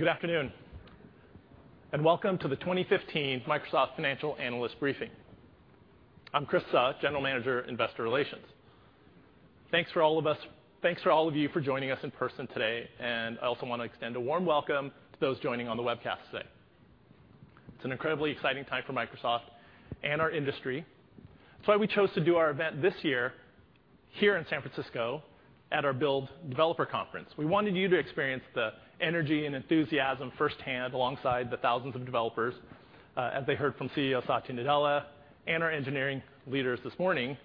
Good afternoon. Welcome to the 2015 Microsoft Financial Analyst Briefing. I'm Chris Suh, General Manager, Investor Relations. Thanks for all of you for joining us in person today, and I also want to extend a warm welcome to those joining on the webcast today. It's an incredibly exciting time for Microsoft and our industry. It's why we chose to do our event this year here in San Francisco at our Build Developer Conference. We wanted you to experience the energy and enthusiasm firsthand alongside the thousands of developers, as they heard from CEO Satya Nadella and our engineering leaders this morning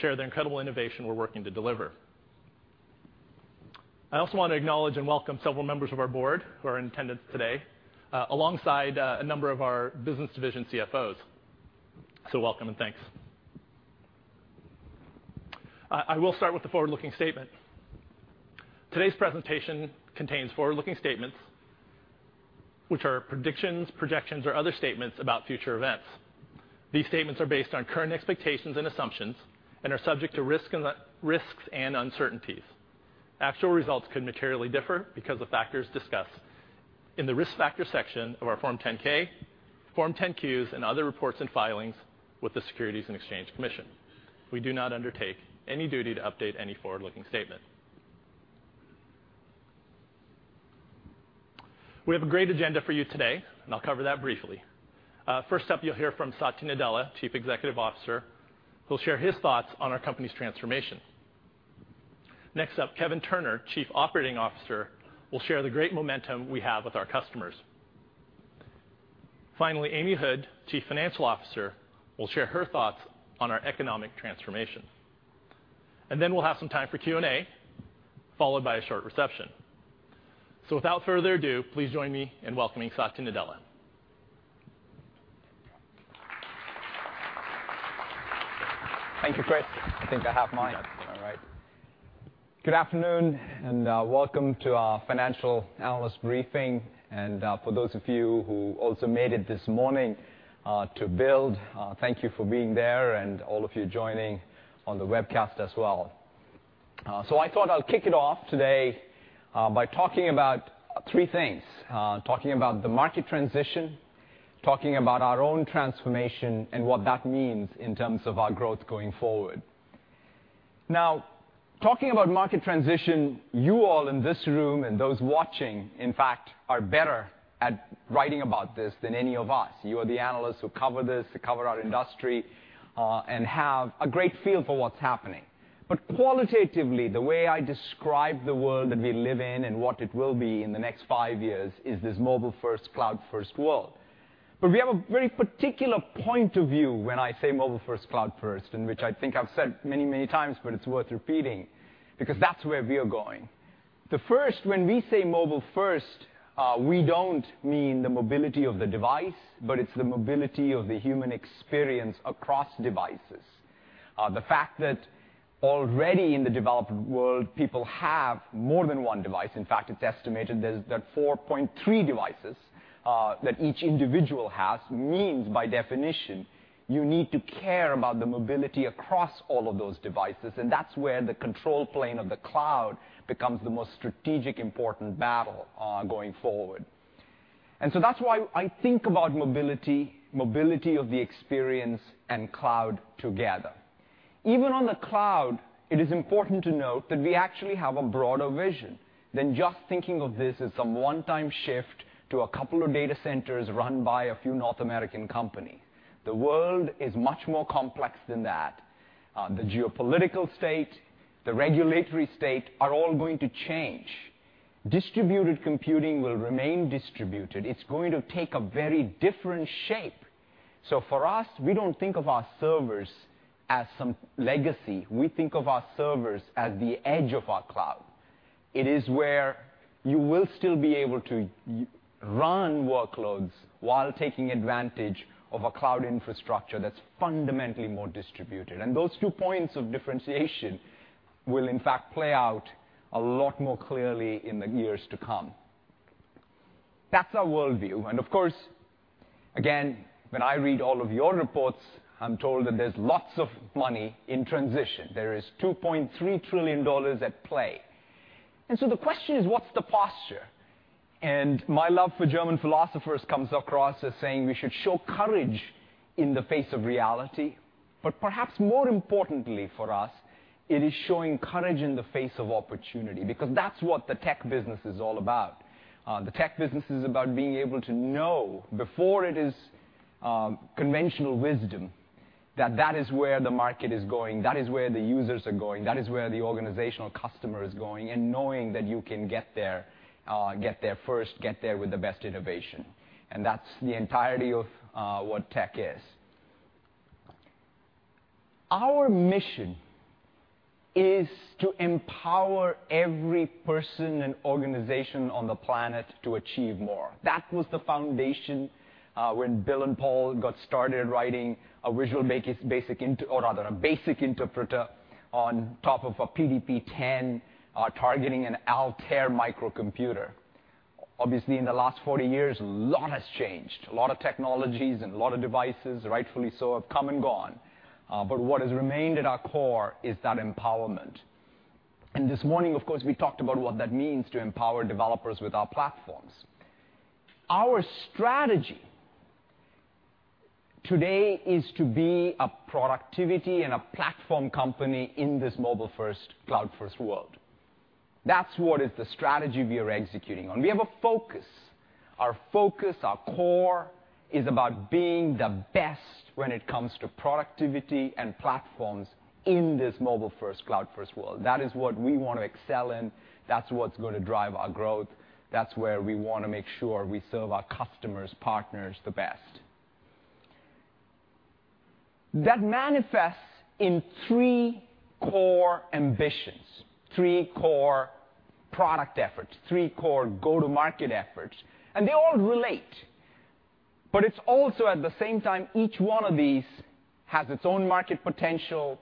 share the incredible innovation we're working to deliver. I also want to acknowledge and welcome several members of our board who are in attendance today, alongside a number of our business division CFOs. Welcome and thanks. I will start with the forward-looking statement. Today's presentation contains forward-looking statements, which are predictions, projections, or other statements about future events. These statements are based on current expectations and assumptions and are subject to risks and uncertainties. Actual results could materially differ because of factors discussed in the Risk Factor section of our Form 10-K, Form 10-Qs, and other reports and filings with the Securities and Exchange Commission. We do not undertake any duty to update any forward-looking statement. We have a great agenda for you today, and I'll cover that briefly. First up, you'll hear from Satya Nadella, Chief Executive Officer, who'll share his thoughts on our company's transformation. Next up, Kevin Turner, Chief Operating Officer, will share the great momentum we have with our customers. Finally, Amy Hood, Chief Financial Officer, will share her thoughts on our economic transformation. We'll have some time for Q&A, followed by a short reception. Without further ado, please join me in welcoming Satya Nadella. Thank you, Chris. I think I have mine. You got it. Good afternoon, and welcome to our Financial Analyst Briefing. For those of you who also made it this morning to Build, thank you for being there and all of you joining on the webcast as well. I thought I'll kick it off today by talking about three things. Talking about the market transition, talking about our own transformation, and what that means in terms of our growth going forward. Talking about market transition, you all in this room and those watching, in fact, are better at writing about this than any of us. You are the analysts who cover this, who cover our industry, and have a great feel for what's happening. Qualitatively, the way I describe the world that we live in and what it will be in the next five years is this mobile first, cloud first world. We have a very particular point of view when I say mobile first, cloud first, and which I think I've said many, many times, but it's worth repeating because that's where we are going. The first, when we say mobile first, we don't mean the mobility of the device, but it's the mobility of the human experience across devices. The fact that already in the developed world, people have more than one device. In fact, it's estimated that 4.3 devices that each individual has means, by definition, you need to care about the mobility across all of those devices, and that's where the control plane of the cloud becomes the most strategic, important battle going forward. That's why I think about mobility of the experience and cloud together. Even on the cloud, it is important to note that we actually have a broader vision than just thinking of this as some one-time shift to a couple of data centers run by a few North American companies. The world is much more complex than that. The geopolitical state, the regulatory state are all going to change. Distributed computing will remain distributed. It's going to take a very different shape. For us, we don't think of our servers as some legacy. We think of our servers as the edge of our cloud. It is where you will still be able to run workloads while taking advantage of a cloud infrastructure that's fundamentally more distributed. Those two points of differentiation will in fact play out a lot more clearly in the years to come. That's our worldview. Of course, again, when I read all of your reports, I'm told that there's lots of money in transition. There is $2.3 trillion at play. The question is, what's the posture? My love for German philosophers comes across as saying we should show courage in the face of reality. Perhaps more importantly for us, it is showing courage in the face of opportunity, because that's what the tech business is all about. The tech business is about being able to know before it is conventional wisdom that that is where the market is going, that is where the users are going, that is where the organizational customer is going, and knowing that you can get there first, get there with the best innovation. That's the entirety of what tech is. Our mission is to empower every person and organization on the planet to achieve more. That was the foundation when Bill and Paul got started writing a Visual Basic, or rather, a basic interpreter on top of a PDP-10, targeting an Altair microcomputer. Obviously, in the last 40 years, a lot has changed. A lot of technologies and a lot of devices, rightfully so, have come and gone. What has remained at our core is that empowerment. This morning, of course, we talked about what that means to empower developers with our platforms. Our strategy today is to be a productivity and a platform company in this mobile first, cloud first world. That's what is the strategy we are executing on. We have a focus. Our focus, our core, is about being the best when it comes to productivity and platforms in this mobile first, cloud first world. That is what we want to excel in. That's what's going to drive our growth. That's where we want to make sure we serve our customers, partners the best. That manifests in three core ambitions, three core product efforts, three core go-to-market efforts, and they all relate. It's also, at the same time, each one of these has its own market potential,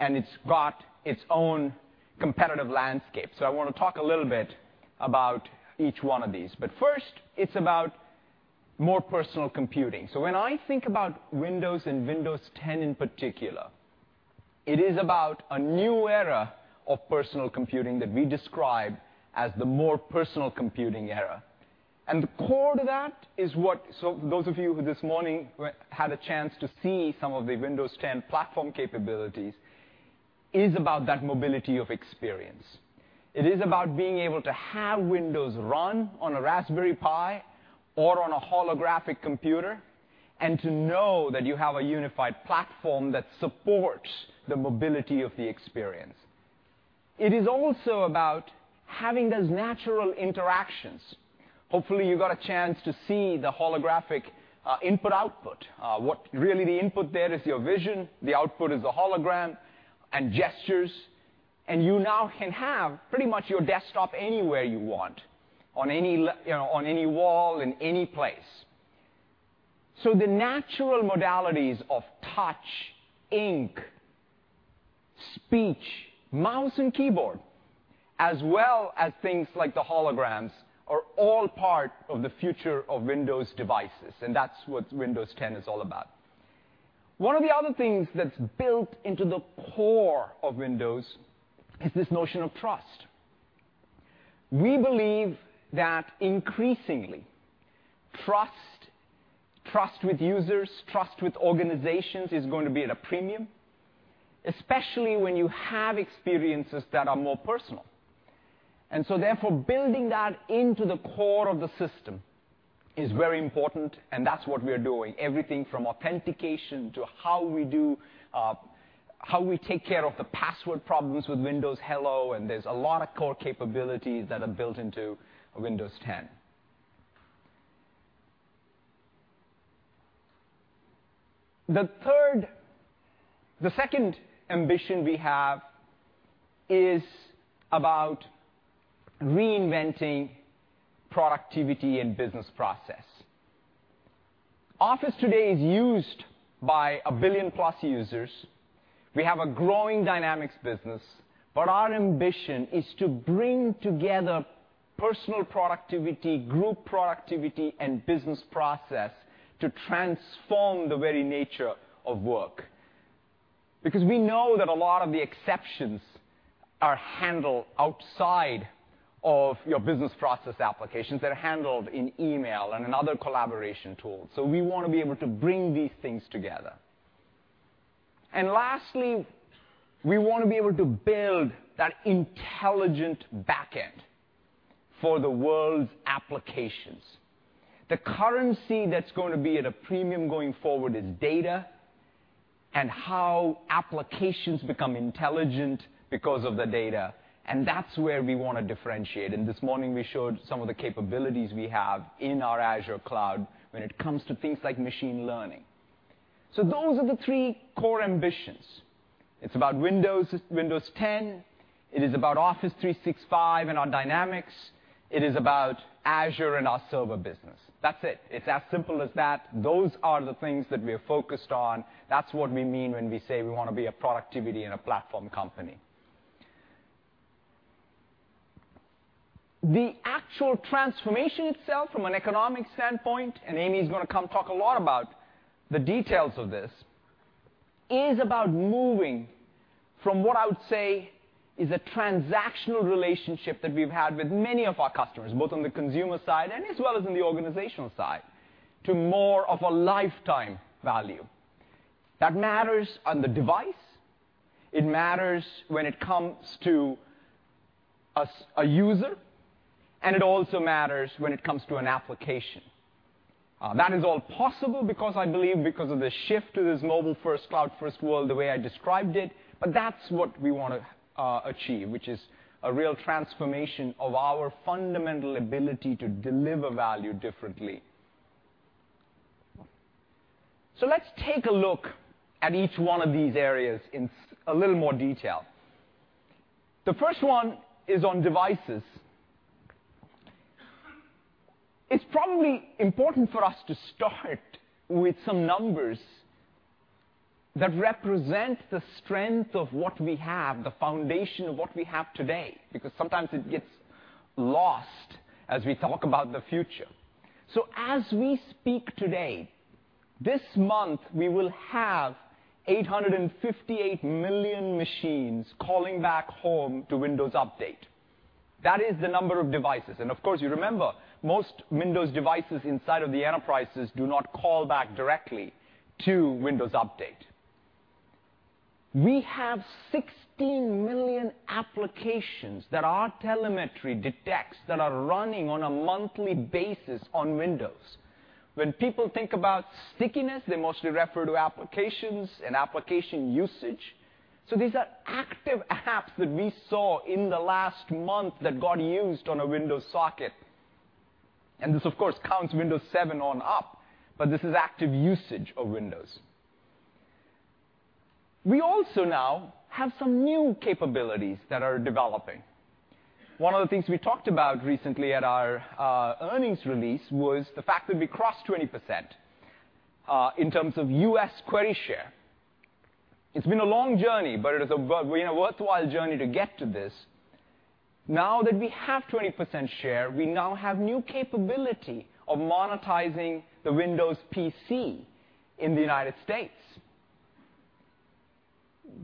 and it's got its own competitive landscape. I want to talk a little bit about each one of these. First, it's about more personal computing. When I think about Windows, and Windows 10 in particular, it is about a new era of personal computing that we describe as the more personal computing era. The core to that, those of you who this morning had a chance to see some of the Windows 10 platform capabilities, is about that mobility of experience. It is about being able to have Windows run on a Raspberry Pi or on a holographic computer, and to know that you have a unified platform that supports the mobility of the experience. It is also about having those natural interactions. Hopefully, you got a chance to see the holographic input output. What really the input there is your vision, the output is the hologram, and gestures. You now can have pretty much your desktop anywhere you want, on any wall, in any place. The natural modalities of touch, ink, speech, mouse, and keyboard, as well as things like the holograms, are all part of the future of Windows devices, and that's what Windows 10 is all about. One of the other things that's built into the core of Windows is this notion of trust. We believe that increasingly, trust with users, trust with organizations, is going to be at a premium, especially when you have experiences that are more personal. Therefore, building that into the core of the system is very important, and that's what we're doing, everything from authentication to how we take care of the password problems with Windows Hello, and there's a lot of core capabilities that are built into Windows 10. The second ambition we have is about reinventing productivity and business process. Office today is used by a billion plus users. We have a growing Dynamics business. Our ambition is to bring together personal productivity, group productivity, and business process to transform the very nature of work. We know that a lot of the exceptions are handled outside of your business process applications that are handled in email and in other collaboration tools. We want to be able to bring these things together. Lastly, we want to be able to build that intelligent back end for the world's applications. The currency that's going to be at a premium going forward is data and how applications become intelligent because of the data, and that's where we want to differentiate. This morning, we showed some of the capabilities we have in our Azure cloud when it comes to things like machine learning. Those are the three core ambitions. It's about Windows 10, it is about Office 365 and our Dynamics, it is about Azure and our server business. That's it. It's as simple as that. Those are the things that we're focused on. That's what we mean when we say we want to be a productivity and a platform company. The actual transformation itself from an economic standpoint, Amy's going to come talk a lot about the details of this, is about moving from what I would say is a transactional relationship that we've had with many of our customers, both on the consumer side and as well as in the organizational side, to more of a lifetime value. That matters on the device, it matters when it comes to a user, and it also matters when it comes to an application. That is all possible because I believe because of the shift to this mobile first, cloud first world, the way I described it. That's what we want to achieve, which is a real transformation of our fundamental ability to deliver value differently. Let's take a look at each one of these areas in a little more detail. The first one is on devices. It's probably important for us to start with some numbers that represent the strength of what we have, the foundation of what we have today, because sometimes it gets lost as we talk about the future. As we speak today, this month, we will have 858 million machines calling back home to Windows Update. That is the number of devices. Of course, you remember most Windows devices inside of the enterprises do not call back directly to Windows Update. We have 16 million applications that our telemetry detects that are running on a monthly basis on Windows. When people think about stickiness, they mostly refer to applications and application usage. These are active apps that we saw in the last month that got used on a Windows socket. This, of course, counts Windows 7 on up, but this is active usage of Windows. We also now have some new capabilities that are developing. One of the things we talked about recently at our earnings release was the fact that we crossed 20% in terms of U.S. query share. It's been a long journey, but it is a worthwhile journey to get to this. Now that we have 20% share, we now have new capability of monetizing the Windows PC in the United States.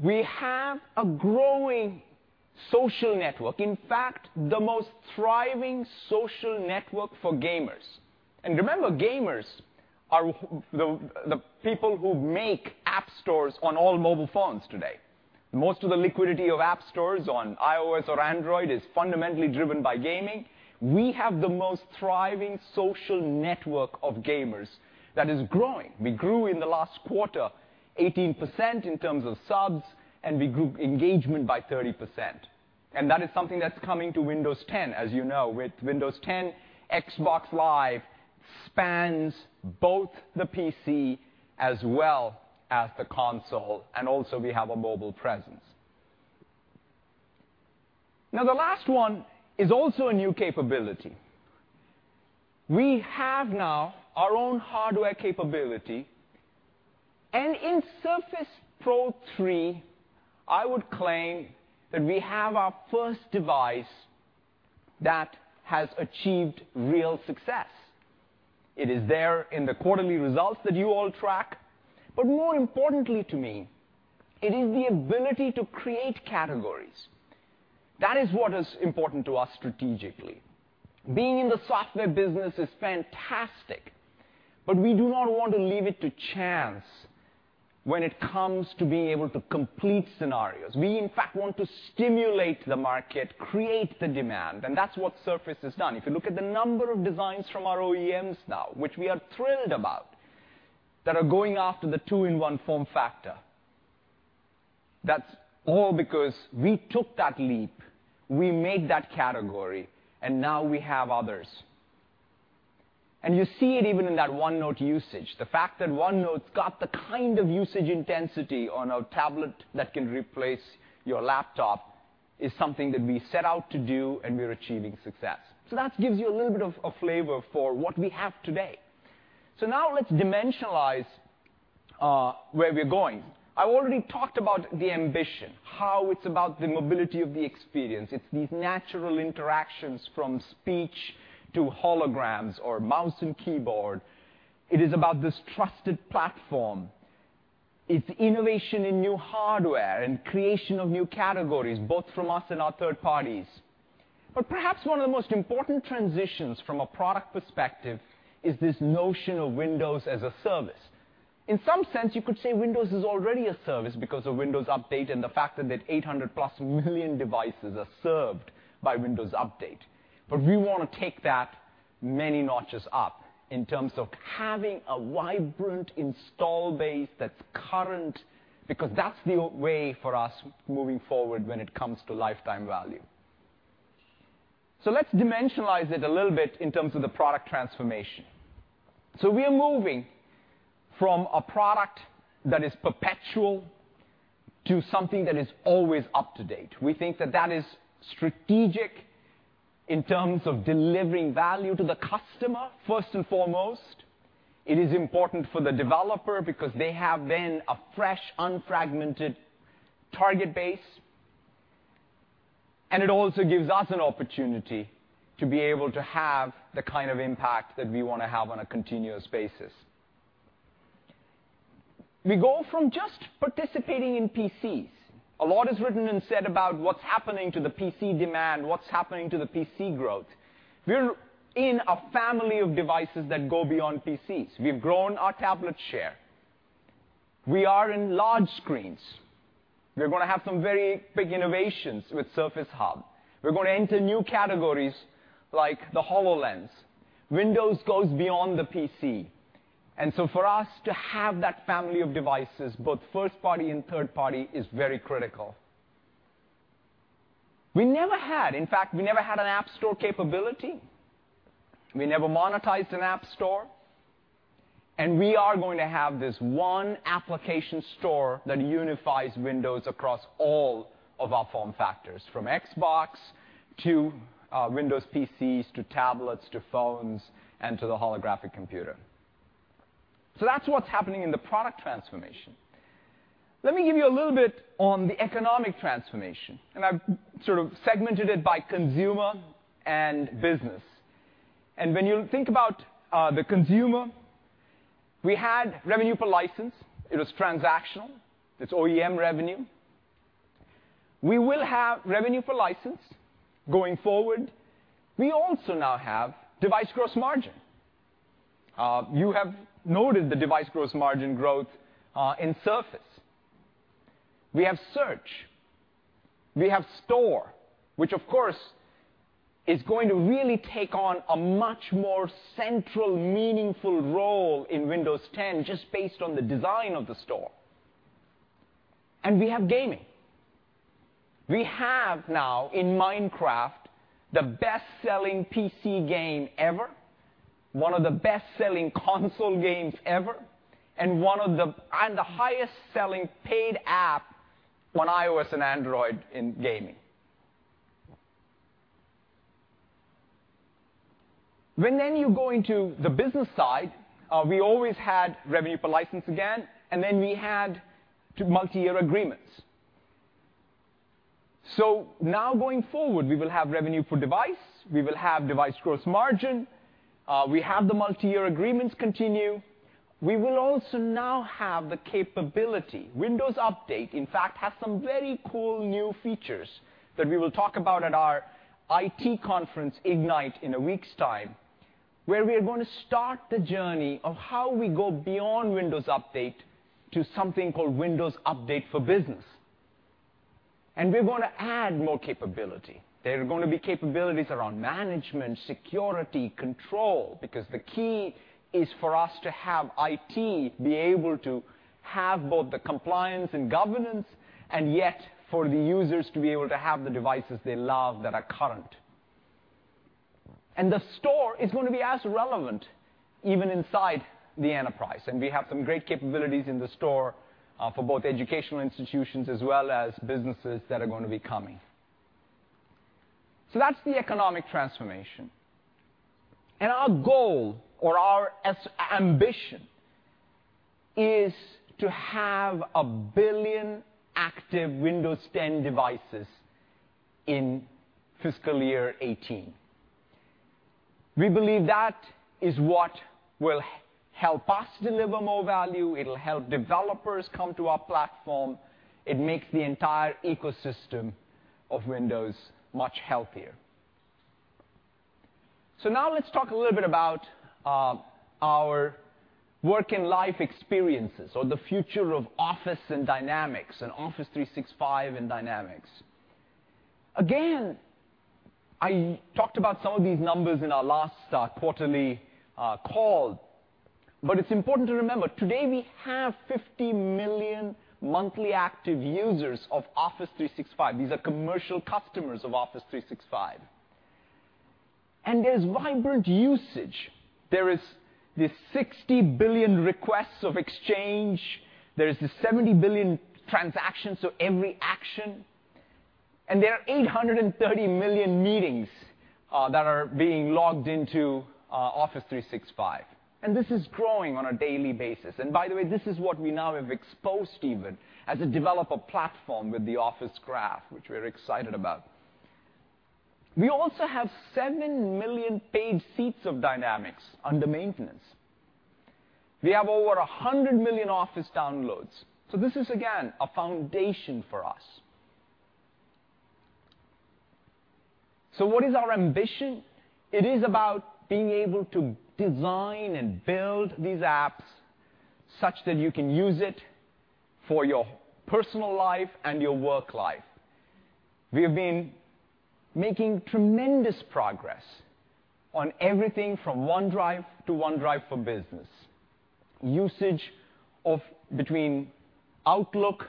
We have a growing social network, in fact, the most thriving social network for gamers. Remember, gamers are the people who make app stores on all mobile phones today. Most of the liquidity of app stores on iOS or Android is fundamentally driven by gaming. We have the most thriving social network of gamers that is growing. We grew in the last quarter 18% in terms of subs, and we grew engagement by 30%. That is something that's coming to Windows 10. As you know, with Windows 10, Xbox Live spans both the PC as well as the console, and also we have a mobile presence. Now, the last one is also a new capability. We have now our own hardware capability. In Surface Pro 3, I would claim that we have our first device that has achieved real success. It is there in the quarterly results that you all track. More importantly to me, it is the ability to create categories. That is what is important to us strategically. Being in the software business is fantastic, but we do not want to leave it to chance when it comes to being able to complete scenarios. We, in fact, want to stimulate the market, create the demand, and that's what Surface has done. If you look at the number of designs from our OEMs now, which we are thrilled about, that are going after the two-in-one form factor, that's all because we took that leap. We made that category, and now we have others. You see it even in that OneNote usage. The fact that OneNote's got the kind of usage intensity on a tablet that can replace your laptop is something that we set out to do, and we're achieving success. That gives you a little bit of a flavor for what we have today. Now let's dimensionalize where we're going. I already talked about the ambition, how it's about the mobility of the experience. It's these natural interactions from speech to holograms or mouse and keyboard. It is about this trusted platform. It's innovation in new hardware and creation of new categories, both from us and our third parties. Perhaps one of the most important transitions from a product perspective is this notion of Windows as a service. In some sense, you could say Windows is already a service because of Windows Update and the fact that 800-plus million devices are served by Windows Update. We want to take that many notches up in terms of having a vibrant install base that's current, because that's the way for us moving forward when it comes to lifetime value. Let's dimensionalize it a little bit in terms of the product transformation. We are moving from a product that is perpetual to something that is always up to date. We think that that is strategic in terms of delivering value to the customer first and foremost. It is important for the developer because they have then a fresh, unfragmented target base. It also gives us an opportunity to be able to have the kind of impact that we want to have on a continuous basis. We go from just participating in PCs. A lot is written and said about what's happening to the PC demand, what's happening to the PC growth. We're in a family of devices that go beyond PCs. We've grown our tablet share. We are in large screens. We're going to have some very big innovations with Surface Hub. We're going to enter new categories like the HoloLens. Windows goes beyond the PC. For us to have that family of devices, both first party and third party, is very critical. We never had. In fact, we never had an app store capability. We never monetized an app store. We are going to have this one application store that unifies Windows across all of our form factors, from Xbox to Windows PCs, to tablets, to phones, and to the holographic computer. That's what's happening in the product transformation. Let me give you a little bit on the economic transformation, I've sort of segmented it by consumer and business. When you think about the consumer We had revenue per license. It was transactional. It's OEM revenue. We will have revenue per license going forward. We also now have device gross margin. You have noted the device gross margin growth in Surface. We have Search. We have Store, which of course, is going to really take on a much more central, meaningful role in Windows 10 just based on the design of the Store. We have gaming. We have now in Minecraft, the best-selling PC game ever, one of the best-selling console games ever, and the highest-selling paid app on iOS and Android in gaming. When you go into the business side, we always had revenue per license again, we had multi-year agreements. Now going forward, we will have revenue for device, we will have device gross margin. We have the multi-year agreements continue. We will also now have the capability. Windows Update, in fact, has some very cool new features that we will talk about at our IT conference, Ignite, in a week's time, where we are going to start the journey of how we go beyond Windows Update to something called Windows Update for Business. We're going to add more capability. There are going to be capabilities around management, security, control, because the key is for us to have IT be able to have both the compliance and governance, and yet for the users to be able to have the devices they love that are current. The Store is going to be as relevant even inside the enterprise. We have some great capabilities in the Store for both educational institutions as well as businesses that are going to be coming. That's the economic transformation. Our goal or our ambition is to have 1 billion active Windows 10 devices in fiscal year 2018. We believe that is what will help us deliver more value. It'll help developers come to our platform. It makes the entire ecosystem of Windows much healthier. Now let's talk a little bit about our work and life experiences or the future of Office and Dynamics and Office 365 and Dynamics. I talked about some of these numbers in our last quarterly call, but it's important to remember, today we have 50 million monthly active users of Office 365. These are commercial customers of Office 365. There's vibrant usage. There is the 60 billion requests of Exchange. There is the 70 billion transactions, so every action. There are 830 million meetings that are being logged into Office 365. This is growing on a daily basis. By the way, this is what we now have exposed even as a developer platform with the Office Graph, which we're excited about. We also have 7 million paid seats of Dynamics under maintenance. We have over 100 million Office downloads. This is, again, a foundation for us. What is our ambition? It is about being able to design and build these apps such that you can use it for your personal life and your work life. We have been making tremendous progress on everything from OneDrive to OneDrive for Business. Usage between Outlook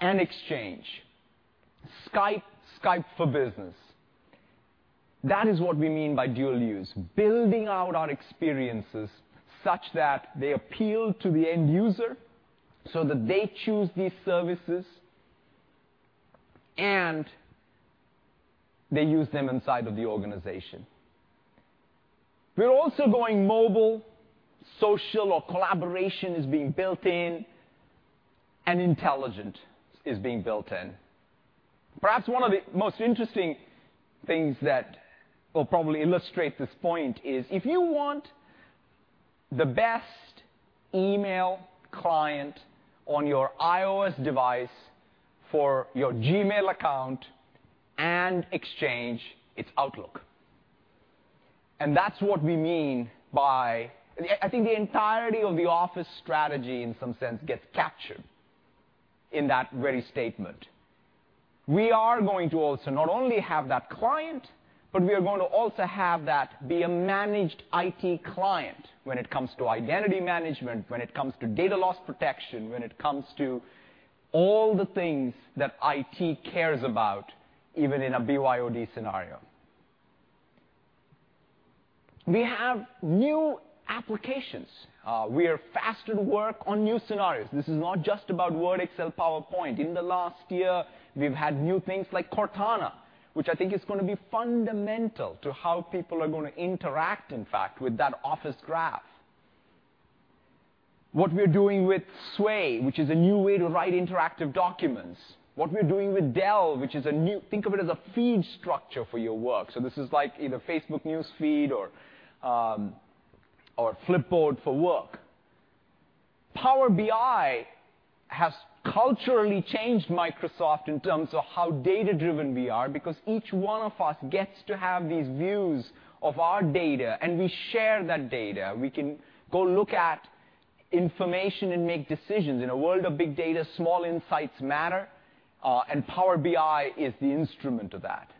and Exchange, Skype for Business. That is what we mean by dual use, building out our experiences such that they appeal to the end user so that they choose these services and they use them inside of the organization. We're also going mobile, social or collaboration is being built in, and intelligent is being built in. Perhaps one of the most interesting things that will probably illustrate this point is if you want the best email client on your iOS device for your Gmail account and Exchange, it's Outlook. That's what we mean by, I think the entirety of the Office strategy, in some sense, gets captured in that very statement. We are going to also not only have that client, but we are going to also have that be a managed IT client when it comes to identity management, when it comes to data loss protection, when it comes to all the things that IT cares about, even in a BYOD scenario. We have new applications. We are faster to work on new scenarios. This is not just about Word, Excel, PowerPoint. In the last year, we've had new things like Cortana, which I think is going to be fundamental to how people are going to interact, in fact, with that Office Graph. What we're doing with Sway, which is a new way to write interactive documents. What we're doing with Delve, think of it as a feed structure for your work. This is like either Facebook News Feed or Flipboard for work. Power BI has culturally changed Microsoft in terms of how data-driven we are because each one of us gets to have these views of our data and we share that data. We can go look at information and make decisions. In a world of big data, small insights matter, and Power BI is the instrument of that.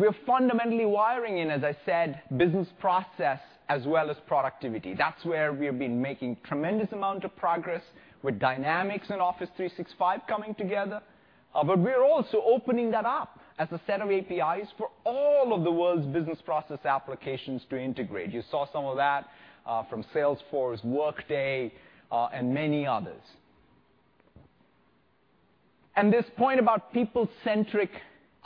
We're fundamentally wiring in, as I said, business process as well as productivity. That's where we have been making tremendous amount of progress with Dynamics and Office 365 coming together. We're also opening that up as a set of APIs for all of the world's business process applications to integrate. You saw some of that from Salesforce, Workday, and many others. This point about people-centric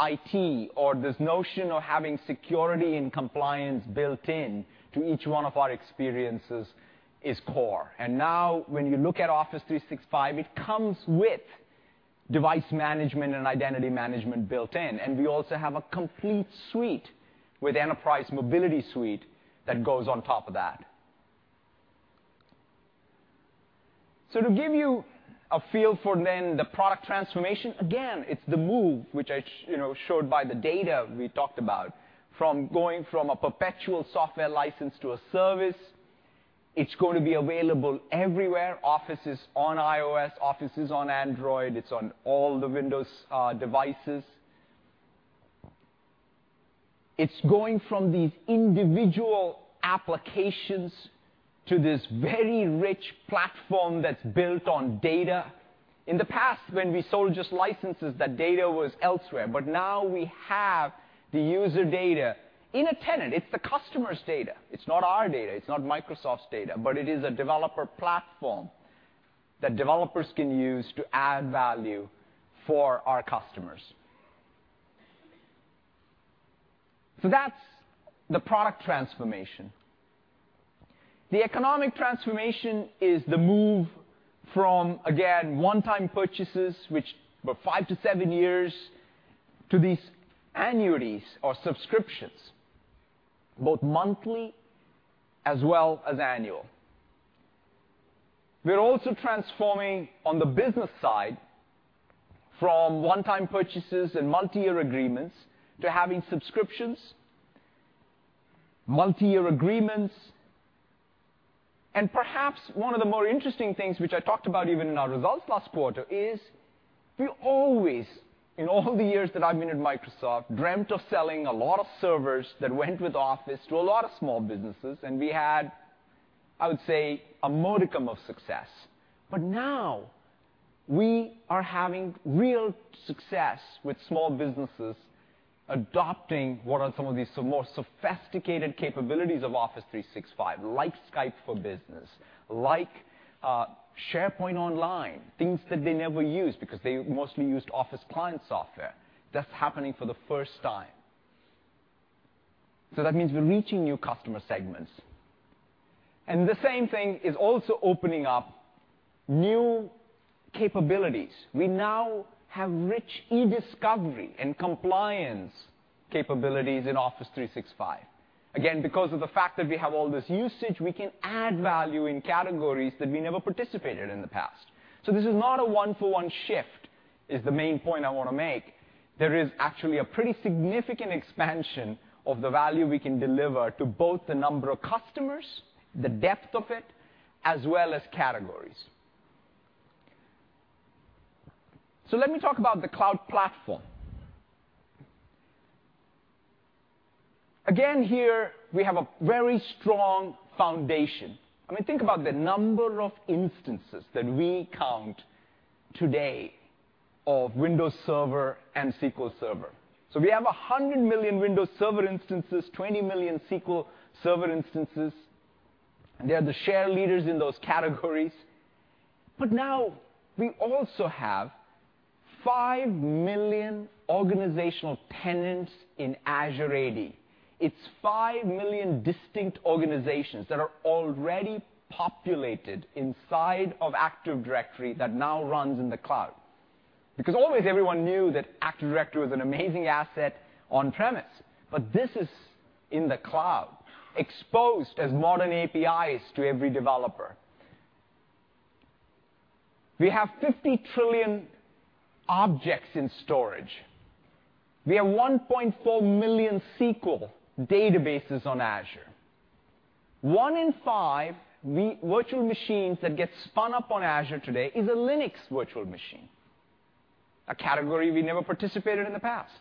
IT or this notion of having security and compliance built-in to each one of our experiences is core. Now when you look at Office 365, it comes with device management and identity management built in, and we also have a complete suite with Enterprise Mobility Suite that goes on top of that. To give you a feel for then the product transformation, again, it's the move which I showed by the data we talked about, from going from a perpetual software license to a service. It's going to be available everywhere. Office is on iOS, Office is on Android, it's on all the Windows devices. It's going from these individual applications to this very rich platform that's built on data. In the past when we sold just licenses, that data was elsewhere. Now we have the user data in a tenant. It's the customer's data. It's not our data. It's not Microsoft's data. It is a developer platform that developers can use to add value for our customers. That's the product transformation. The economic transformation is the move from, again, one-time purchases, which were five to seven years, to these annuities or subscriptions, both monthly as well as annual. We're also transforming on the business side from one-time purchases and multi-year agreements to having subscriptions, multi-year agreements, and perhaps one of the more interesting things which I talked about even in our results last quarter is we always, in all the years that I've been at Microsoft, dreamt of selling a lot of servers that went with Office to a lot of small businesses, and we had, I would say, a modicum of success. Now we are having real success with small businesses adopting what are some of these more sophisticated capabilities of Office 365 like Skype for Business, like SharePoint Online, things that they never used because they mostly used Office client software. That's happening for the first time. That means we're reaching new customer segments. The same thing is also opening up new capabilities. We now have rich e-discovery and compliance capabilities in Office 365. Again, because of the fact that we have all this usage, we can add value in categories that we never participated in the past. This is not a one-for-one shift, is the main point I want to make. There is actually a pretty significant expansion of the value we can deliver to both the number of customers, the depth of it, as well as categories. Let me talk about the cloud platform. Again, here we have a very strong foundation. I mean, think about the number of instances that we count today of Windows Server and SQL Server. We have 100 million Windows Server instances, 20 million SQL Server instances. They are the share leaders in those categories. Now we also have 5 million organizational tenants in Azure AD. It's 5 million distinct organizations that are already populated inside of Active Directory that now runs in the cloud. Because always everyone knew that Active Directory was an amazing asset on premise, but this is in the cloud, exposed as modern APIs to every developer. We have 50 trillion objects in storage. We have 1.4 million SQL databases on Azure. One in five virtual machines that gets spun up on Azure today is a Linux virtual machine, a category we never participated in the past.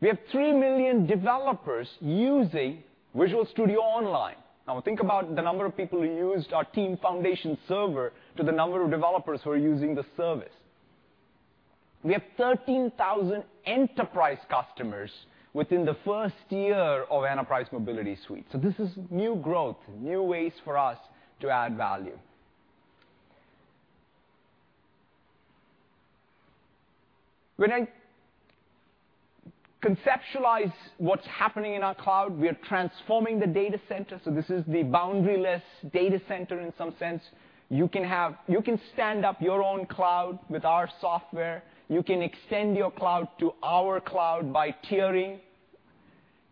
We have 3 million developers using Visual Studio Online. Now think about the number of people who used our Team Foundation Server to the number of developers who are using the service. We have 13,000 enterprise customers within the first year of Enterprise Mobility Suite. This is new growth, new ways for us to add value. When I conceptualize what's happening in our cloud, we are transforming the data center. This is the boundary-less data center in some sense. You can stand up your own cloud with our software. You can extend your cloud to our cloud by tiering.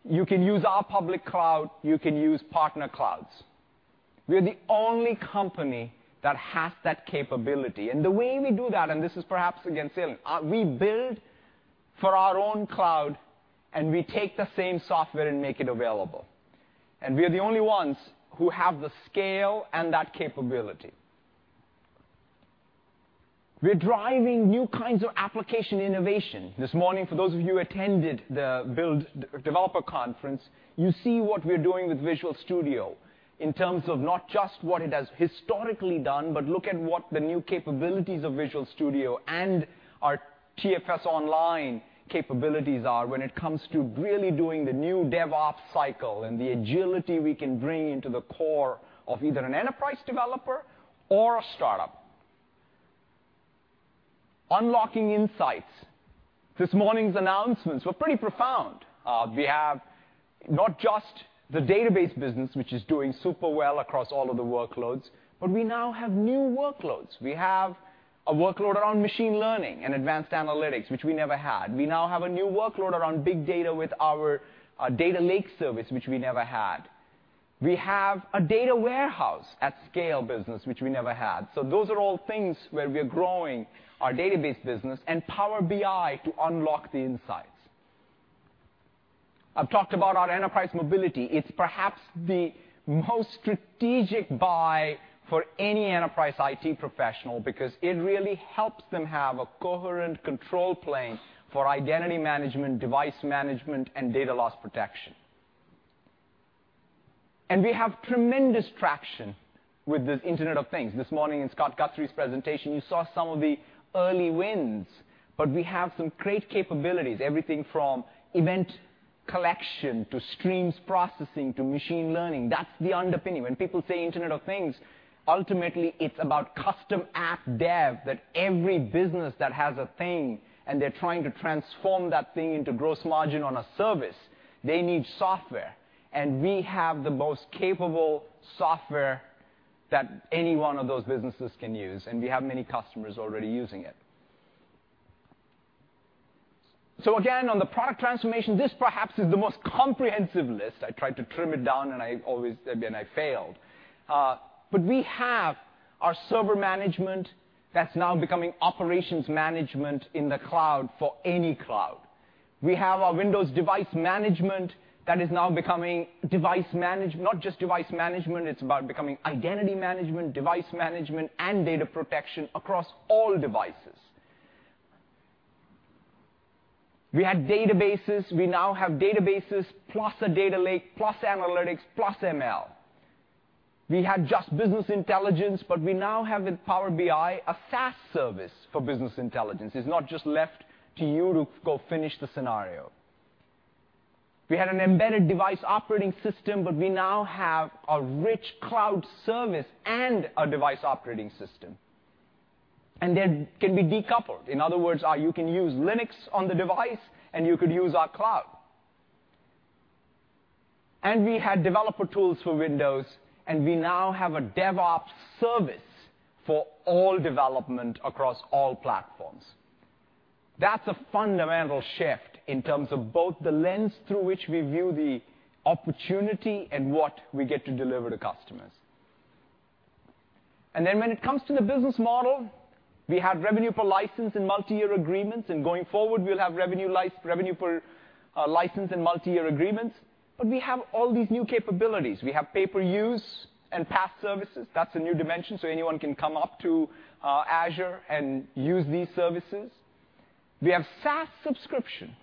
You can use our public cloud, you can use partner clouds. We're the only company that has that capability, and the way we do that, and this is perhaps again, salient, we build for our own cloud, and we take the same software and make it available. We're the only ones who have the scale and that capability. We're driving new kinds of application innovation. This morning, for those of you who attended the Build Developer Conference, you see what we're doing with Visual Studio in terms of not just what it has historically done, but look at what the new capabilities of Visual Studio and our TFS online capabilities are when it comes to really doing the new DevOps cycle, the agility we can bring into the core of either an enterprise developer or a startup. Unlocking insights. This morning's announcements were pretty profound. We have not just the database business, which is doing super well across all of the workloads, but we now have new workloads. We have a workload around machine learning and advanced analytics, which we never had. We now have a new workload around big data with our data lake service, which we never had. We have a data warehouse at scale business, which we never had. Those are all things where we're growing our database business and Power BI to unlock the insights. I've talked about our enterprise mobility. It's perhaps the most strategic buy for any enterprise IT professional because it really helps them have a coherent control plane for identity management, device management, and data loss protection. We have tremendous traction with this Internet of Things. This morning in Scott Guthrie's presentation, you saw some of the early wins, but we have some great capabilities. Everything from event collection to streams processing to machine learning. That's the underpinning. When people say Internet of Things, ultimately it's about custom app dev that every business that has a thing and they're trying to transform that thing into gross margin on a service, they need software, and we have the most capable software that any one of those businesses can use, and we have many customers already using it. Again, on the product transformation, this perhaps is the most comprehensive list. I tried to trim it down and I failed. We have our server management that's now becoming operations management in the cloud for any cloud. We have our Windows device management that is now becoming not just device management, it's about becoming identity management, device management, and data protection across all devices. We had databases, we now have databases plus a data lake, plus analytics, plus ML. We had just business intelligence, we now have with Power BI, a SaaS service for business intelligence. It's not just left to you to go finish the scenario. We had an embedded device operating system, we now have a rich cloud service and a device operating system. They can be decoupled. In other words, you can use Linux on the device, and you could use our cloud. We had developer tools for Windows, and we now have a DevOps service for all development across all platforms. That's a fundamental shift in terms of both the lens through which we view the opportunity and what we get to deliver to customers. When it comes to the business model, we have revenue per license and multi-year agreements, and going forward, we'll have revenue per license and multi-year agreements, we have all these new capabilities. We have pay per use and PaaS services. That's a new dimension, anyone can come up to Azure and use these services. We have SaaS subscription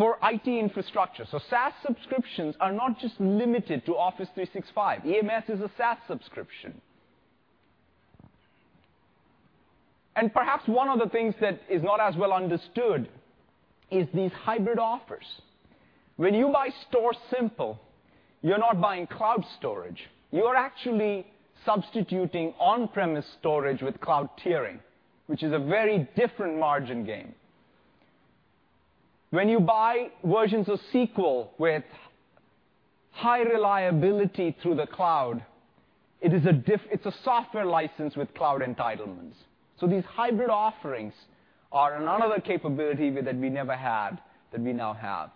for IT infrastructure. SaaS subscriptions are not just limited to Office 365. EMS is a SaaS subscription. Perhaps one of the things that is not as well understood is these hybrid offers. When you buy StorSimple, you're not buying cloud storage, you're actually substituting on-premise storage with cloud tiering, which is a very different margin game. When you buy versions of SQL with high reliability through the cloud, it's a software license with cloud entitlements. These hybrid offerings are another capability that we never had, that we now have.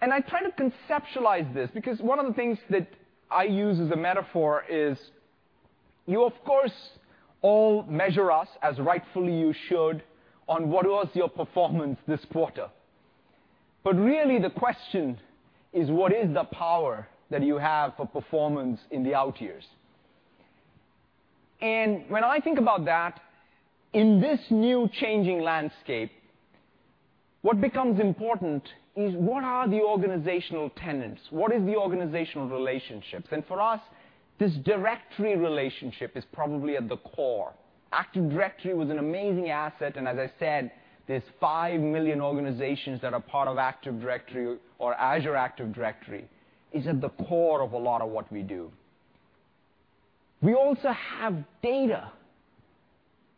I try to conceptualize this because one of the things that I use as a metaphor is, you of course, all measure us, as rightfully you should, on what was your performance this quarter. Really the question is, what is the power that you have for performance in the out years? When I think about that, in this new changing landscape, what becomes important is what are the organizational tenants? What is the organizational relationships? For us, this directory relationship is probably at the core. Active Directory was an amazing asset, and as I said, there's 5 million organizations that are part of Active Directory or Azure Active Directory, is at the core of a lot of what we do. We also have data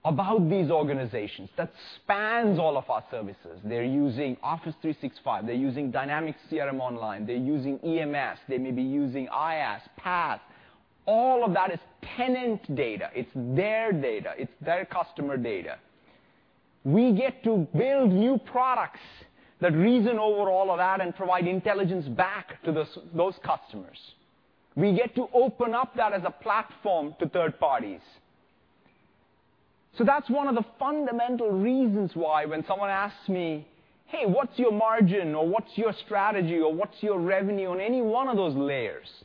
about these organizations that spans all of our services. They're using Office 365, they're using Dynamics CRM Online, they're using EMS, they may be using IaaS, PaaS. All of that is tenant data. It's their data. It's their customer data. We get to build new products that reason over all of that and provide intelligence back to those customers. We get to open up that as a platform to third parties. That's one of the fundamental reasons why when someone asks me, "Hey, what's your margin?" or, "What's your strategy?" or, "What's your revenue?" On any one of those layers,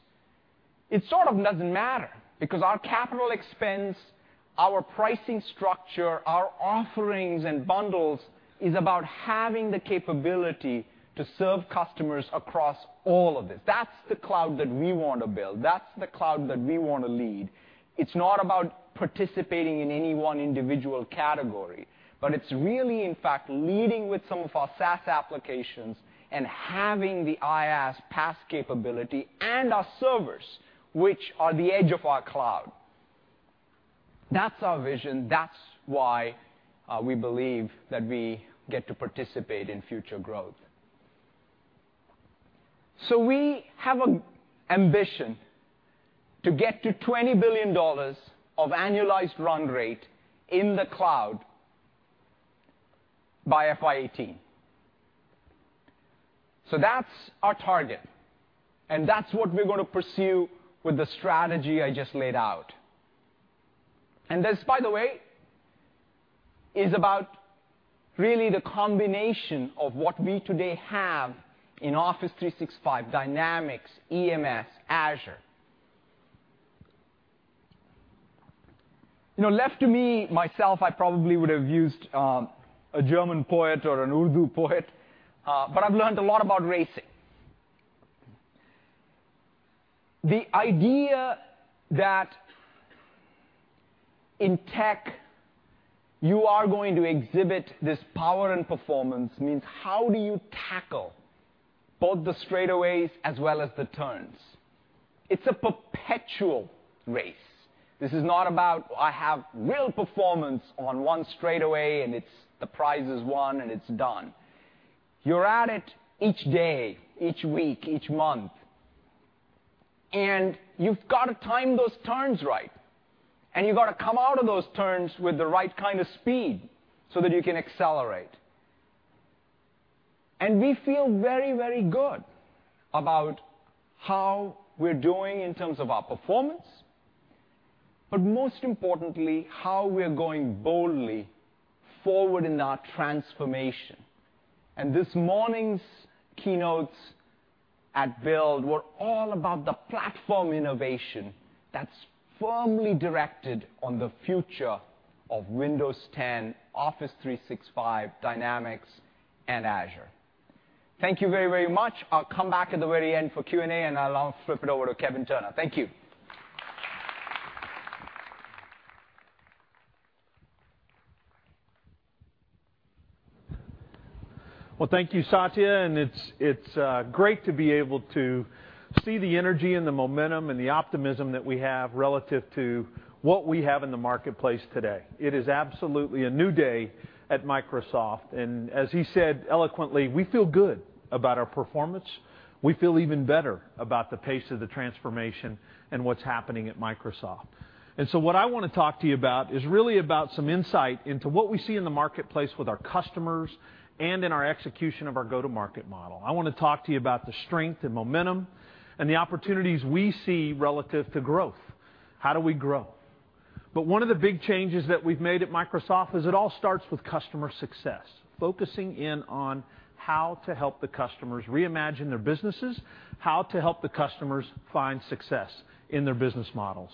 it sort of doesn't matter because our capital expense, our pricing structure, our offerings and bundles is about having the capability to serve customers across all of this. That's the cloud that we want to build. That's the cloud that we want to lead. It's not about participating in any one individual category, but it's really, in fact, leading with some of our SaaS applications and having the IaaS, PaaS capability and our servers, which are the edge of our cloud. That's our vision. That's why we believe that we get to participate in future growth. We have an ambition to get to $20 billion of annualized run rate in the cloud by FY 2018. That's our target, and that's what we're going to pursue with the strategy I just laid out. This, by the way, is about really the combination of what we today have in Office 365, Dynamics, EMS, Azure. Left to me, myself, I probably would have used a German poet or an Urdu poet, but I've learned a lot about racing. The idea that in tech, you are going to exhibit this power and performance means how do you tackle both the straightaways as well as the turns? It's a perpetual race. This is not about, I have real performance on one straightaway, and the prize is won, and it's done. You're at it each day, each week, each month, and you've got to time those turns right, and you've got to come out of those turns with the right kind of speed so that you can accelerate. We feel very good about how we're doing in terms of our performance, but most importantly, how we are going boldly forward in our transformation. This morning's keynotes at Build were all about the platform innovation that's firmly directed on the future of Windows 10, Office 365, Dynamics, and Azure. Thank you very much. I'll come back at the very end for Q&A. I'll now flip it over to Kevin Turner. Thank you. Thank you, Satya, it's great to be able to see the energy and the momentum and the optimism that we have relative to what we have in the marketplace today. It is absolutely a new day at Microsoft, as he said eloquently, we feel good about our performance. We feel even better about the pace of the transformation and what's happening at Microsoft. What I want to talk to you about is really about some insight into what we see in the marketplace with our customers and in our execution of our go-to-market model. I want to talk to you about the strength, the momentum, and the opportunities we see relative to growth. How do we grow? One of the big changes that we've made at Microsoft is it all starts with customer success, focusing in on how to help the customers reimagine their businesses, how to help the customers find success in their business models.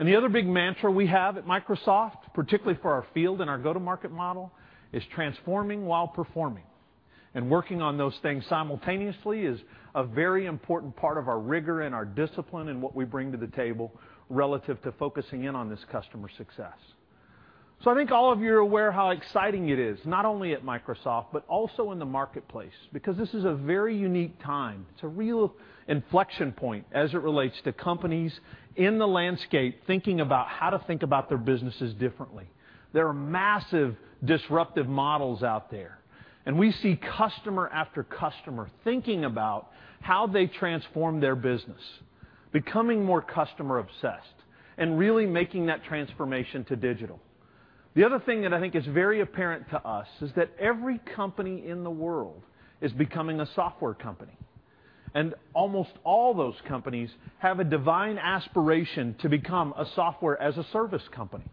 The other big mantra we have at Microsoft, particularly for our field and our go-to-market model, is transforming while performing. Working on those things simultaneously is a very important part of our rigor and our discipline and what we bring to the table relative to focusing in on this customer success. I think all of you are aware how exciting it is, not only at Microsoft, but also in the marketplace, because this is a very unique time. It's a real inflection point as it relates to companies in the landscape thinking about how to think about their businesses differently. There are massive disruptive models out there, we see customer after customer thinking about how they transform their business, becoming more customer obsessed, and really making that transformation to digital. The other thing that I think is very apparent to us is that every company in the world is becoming a software company, almost all those companies have a divine aspiration to become a software as a service company.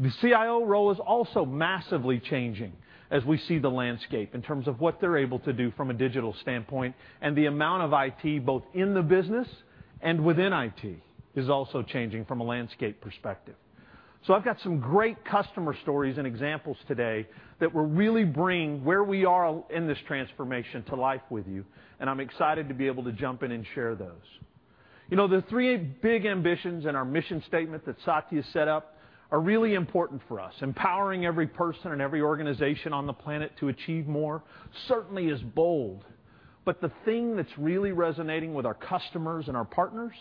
The CIO role is also massively changing as we see the landscape in terms of what they're able to do from a digital standpoint, the amount of IT, both in the business and within IT, is also changing from a landscape perspective. I've got some great customer stories and examples today that will really bring where we are in this transformation to life with you, I'm excited to be able to jump in and share those. The three big ambitions in our mission statement that Satya set up are really important for us. Empowering every person and every organization on the planet to achieve more certainly is bold, the thing that's really resonating with our customers and our partners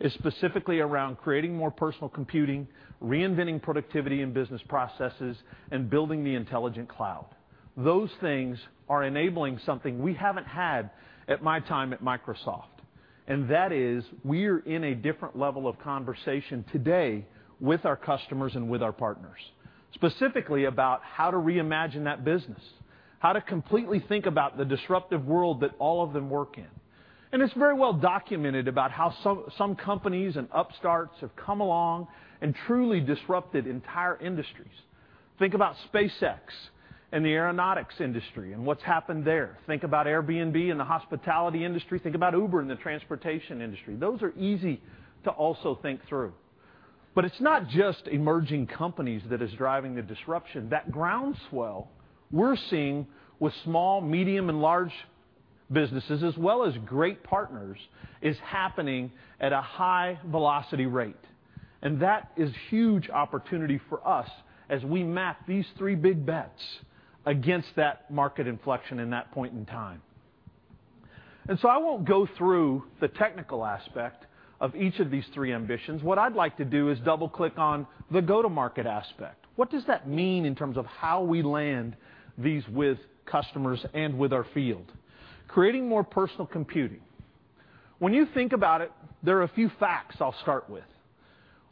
is specifically around creating more personal computing, reinventing productivity and business processes, and building the intelligent cloud. Those things are enabling something we haven't had at my time at Microsoft. That is, we're in a different level of conversation today with our customers and with our partners, specifically about how to reimagine that business, how to completely think about the disruptive world that all of them work in. It's very well documented about how some companies and upstarts have come along and truly disrupted entire industries. Think about SpaceX and the aeronautics industry and what's happened there. Think about Airbnb and the hospitality industry. Think about Uber and the transportation industry. Those are easy to also think through. It's not just emerging companies that is driving the disruption. That groundswell we're seeing with small, medium, and large businesses, as well as great partners, is happening at a high velocity rate, that is huge opportunity for us as we map these three big bets against that market inflection and that point in time. I won't go through the technical aspect of each of these three ambitions. What I'd like to do is double-click on the go-to-market aspect. What does that mean in terms of how we land these with customers and with our field? Creating more personal computing. When you think about it, there are a few facts I'll start with.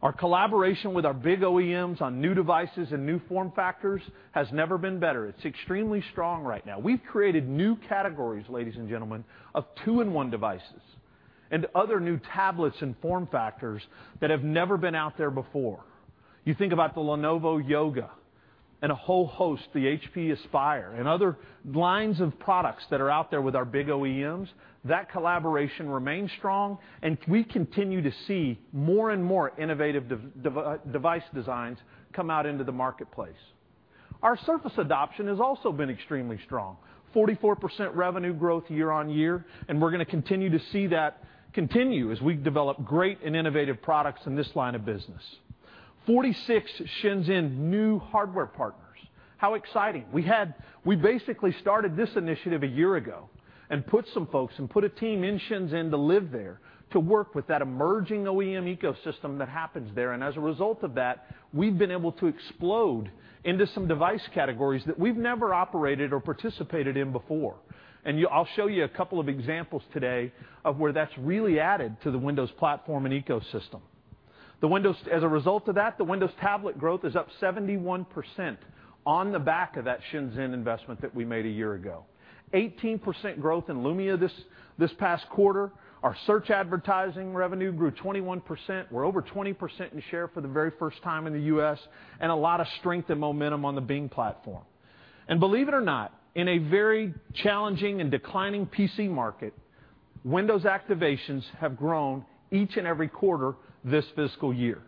Our collaboration with our big OEMs on new devices and new form factors has never been better. It's extremely strong right now. We've created new categories, ladies and gentlemen, of two-in-one devices and other new tablets and form factors that have never been out there before. You think about the Lenovo Yoga and a whole host, the Acer Aspire, and other lines of products that are out there with our big OEMs. That collaboration remains strong, we continue to see more and more innovative device designs come out into the marketplace. Our Surface adoption has also been extremely strong, 44% revenue growth year-over-year, we're going to continue to see that continue as we develop great and innovative products in this line of business. 46 Shenzhen new hardware partners. How exciting. We basically started this initiative a year ago and put some folks and put a team in Shenzhen to live there to work with that emerging OEM ecosystem that happens there. As a result of that, we've been able to explode into some device categories that we've never operated or participated in before. I'll show you a couple of examples today of where that's really added to the Windows platform and ecosystem. As a result of that, the Windows tablet growth is up 71% on the back of that Shenzhen investment that we made a year ago. 18% growth in Lumia this past quarter. Our search advertising revenue grew 21%. We're over 20% in share for the very first time in the U.S., a lot of strength and momentum on the Bing platform. Believe it or not, in a very challenging and declining PC market, Windows activations have grown each and every quarter this fiscal year.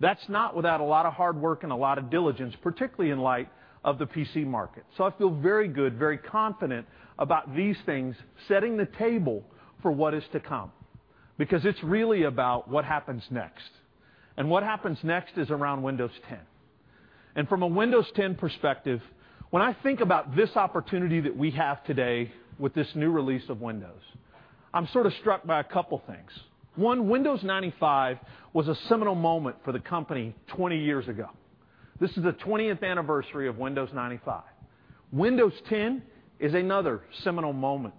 That's not without a lot of hard work and a lot of diligence, particularly in light of the PC market. I feel very good, very confident about these things, setting the table for what is to come, because it's really about what happens next. What happens next is around Windows 10. From a Windows 10 perspective, when I think about this opportunity that we have today with this new release of Windows, I'm sort of struck by a couple things. One. Windows 95 was a seminal moment for the company 20 years ago. This is the 20th anniversary of Windows 95. Windows 10 is another seminal moment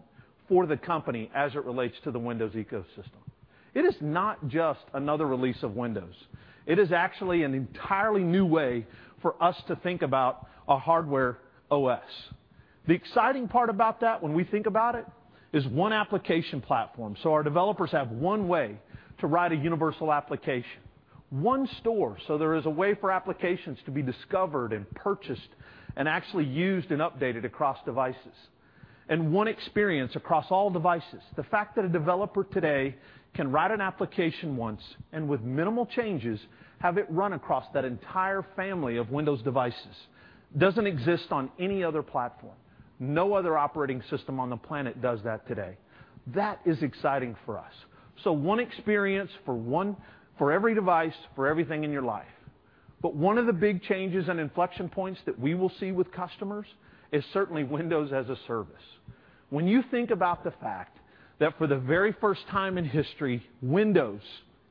for the company as it relates to the Windows ecosystem. It is not just another release of Windows. It is actually an entirely new way for us to think about a hardware OS. The exciting part about that when we think about it is one application platform, so our developers have one way to write a universal application, one store, so there is a way for applications to be discovered and purchased and actually used and updated across devices, and one experience across all devices. The fact that a developer today can write an application once and with minimal changes have it run across that entire family of Windows devices doesn't exist on any other platform. No other operating system on the planet does that today. That is exciting for us. So one experience for every device, for everything in your life. One of the big changes and inflection points that we will see with customers is certainly Windows as a service. When you think about the fact that for the very first time in history, Windows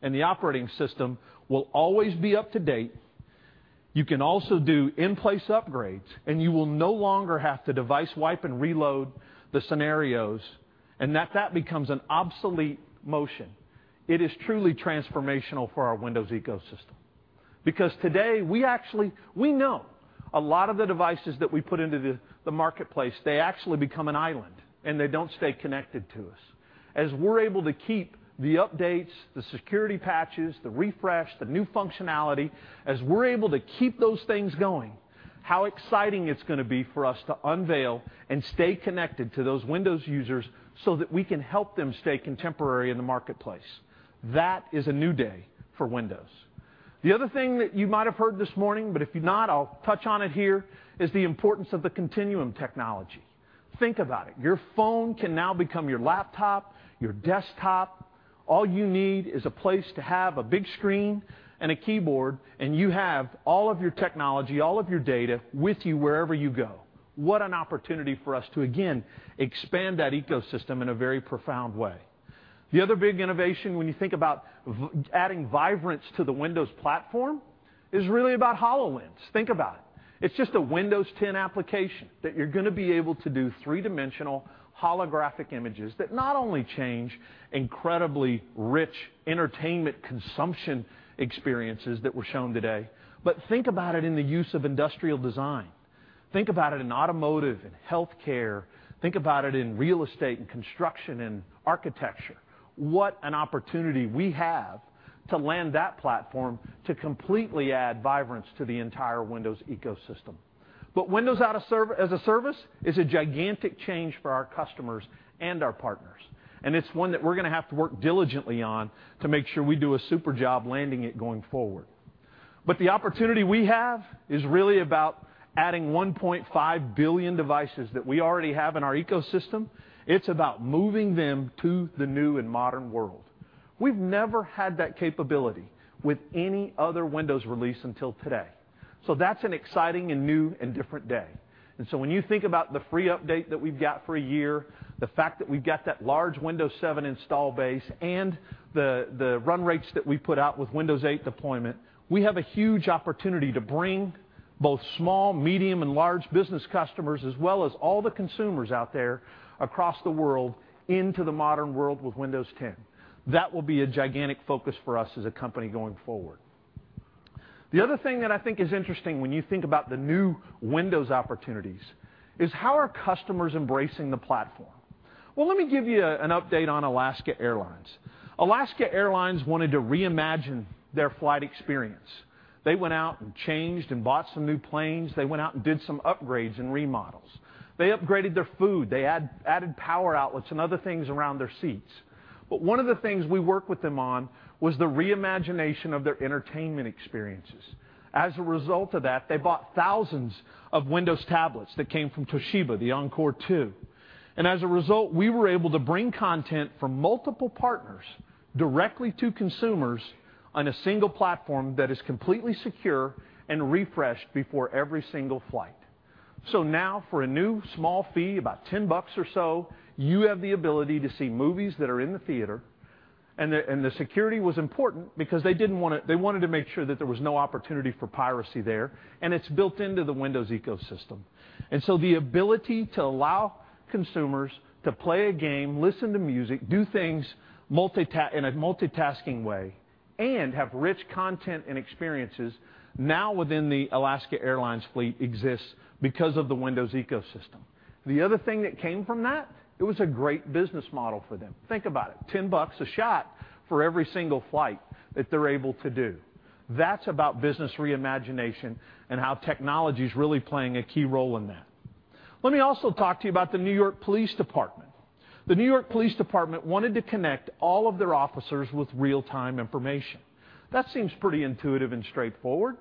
and the operating system will always be up to date, you can also do in-place upgrades, and you will no longer have to device wipe and reload the scenarios, and that becomes an obsolete motion. It is truly transformational for our Windows ecosystem. Because today, we know a lot of the devices that we put into the marketplace, they actually become an island, and they don't stay connected to us. As we're able to keep the updates, the security patches, the refresh, the new functionality, as we're able to keep those things going, how exciting it's going to be for us to unveil and stay connected to those Windows users so that we can help them stay contemporary in the marketplace. That is a new day for Windows. The other thing that you might have heard this morning, if you've not, I'll touch on it here, is the importance of the continuum technology. Think about it. Your phone can now become your laptop, your desktop. All you need is a place to have a big screen and a keyboard, and you have all of your technology, all of your data with you wherever you go. What an opportunity for us to, again, expand that ecosystem in a very profound way. The other big innovation when you think about adding vibrance to the Windows platform is really about HoloLens. Think about it. It's just a Windows 10 application that you're going to be able to do three-dimensional holographic images that not only change incredibly rich entertainment consumption experiences that were shown today, think about it in the use of industrial design. Think about it in automotive and healthcare. Think about it in real estate, and construction, and architecture. What an opportunity we have to land that platform to completely add vibrance to the entire Windows ecosystem. Windows as a service is a gigantic change for our customers and our partners, and it's one that we're going to have to work diligently on to make sure we do a super job landing it going forward. The opportunity we have is really about adding 1.5 billion devices that we already have in our ecosystem. It's about moving them to the new and modern world. We've never had that capability with any other Windows release until today. That's an exciting and new and different day. When you think about the free update that we've got for a year, the fact that we've got that large Windows 7 install base, and the run rates that we put out with Windows 8 deployment, we have a huge opportunity to bring both small, medium, and large business customers, as well as all the consumers out there across the world into the modern world with Windows 10. That will be a gigantic focus for us as a company going forward. The other thing that I think is interesting when you think about the new Windows opportunities is how are customers embracing the platform? Well, let me give you an update on Alaska Airlines. Alaska Airlines wanted to reimagine their flight experience. They went out and changed and bought some new planes. They went out and did some upgrades and remodels. They upgraded their food. One of the things we worked with them on was the reimagination of their entertainment experiences. As a result of that, they bought thousands of Windows tablets that came from Toshiba, the Encore 2. As a result, we were able to bring content from multiple partners directly to consumers on a single platform that is completely secure and refreshed before every single flight. Now, for a new small fee, about $10 or so, you have the ability to see movies that are in the theater, and the security was important because they wanted to make sure that there was no opportunity for piracy there, and it's built into the Windows ecosystem. The ability to allow consumers to play a game, listen to music, do things in a multitasking way, and have rich content and experiences now within the Alaska Airlines fleet exists because of the Windows ecosystem. The other thing that came from that, it was a great business model for them. Think about it. $10 a shot for every single flight that they're able to do. That's about business reimagination and how technology's really playing a key role in that. Let me also talk to you about the New York Police Department. The New York Police Department wanted to connect all of their officers with real-time information. That seems pretty intuitive and straightforward.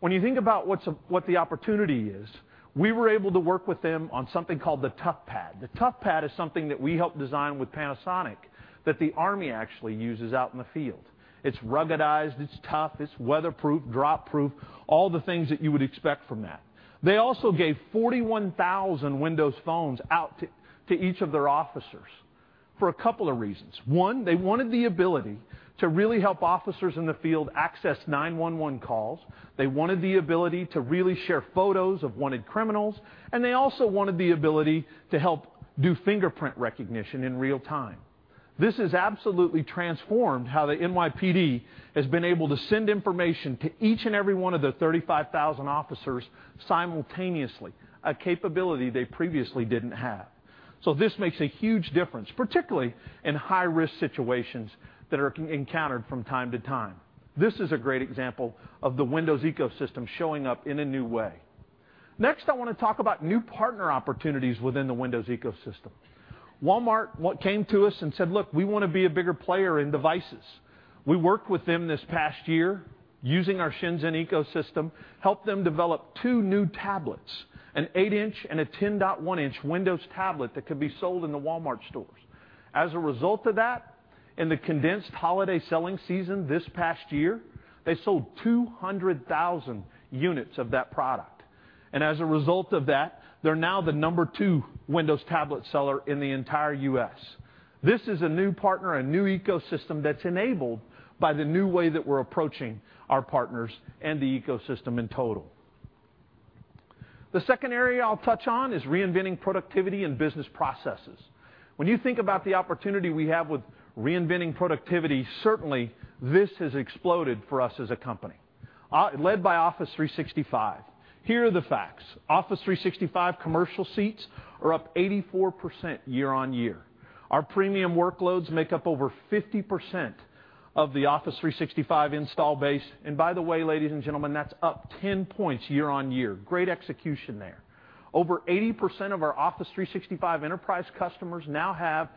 When you think about what the opportunity is, we were able to work with them on something called the Toughpad. The Toughpad is something that we helped design with Panasonic that the army actually uses out in the field. It's ruggedized, it's tough, it's weatherproof, drop-proof, all the things that you would expect from that. They also gave 41,000 Windows phones out to each of their officers for a couple of reasons. One, they wanted the ability to really help officers in the field access 911 calls. They wanted the ability to really share photos of wanted criminals, and they also wanted the ability to help do fingerprint recognition in real time. This has absolutely transformed how the NYPD has been able to send information to each and every one of their 35,000 officers simultaneously, a capability they previously didn't have. This makes a huge difference, particularly in high-risk situations that are encountered from time to time. This is a great example of the Windows ecosystem showing up in a new way. Next, I want to talk about new partner opportunities within the Windows ecosystem. Walmart came to us and said, "Look, we want to be a bigger player in devices." We worked with them this past year using our Shenzhen ecosystem, helped them develop two new tablets, an 8-inch and a 10.1-inch Windows tablet that could be sold in the Walmart stores. As a result of that, in the condensed holiday selling season this past year, they sold 200,000 units of that product, as a result of that, they're now the number 2 Windows tablet seller in the entire U.S. This is a new partner and new ecosystem that's enabled by the new way that we're approaching our partners and the ecosystem in total. The second area I'll touch on is reinventing productivity and business processes. When you think about the opportunity we have with reinventing productivity, certainly this has exploded for us as a company, led by Office 365. Here are the facts. Office 365 commercial seats are up 84% year-over-year. Our premium workloads make up over 50% of the Office 365 install base, by the way, ladies and gentlemen, that's up 10 points year-over-year. Great execution there. Over 80% of our Office 365 Enterprise customers now have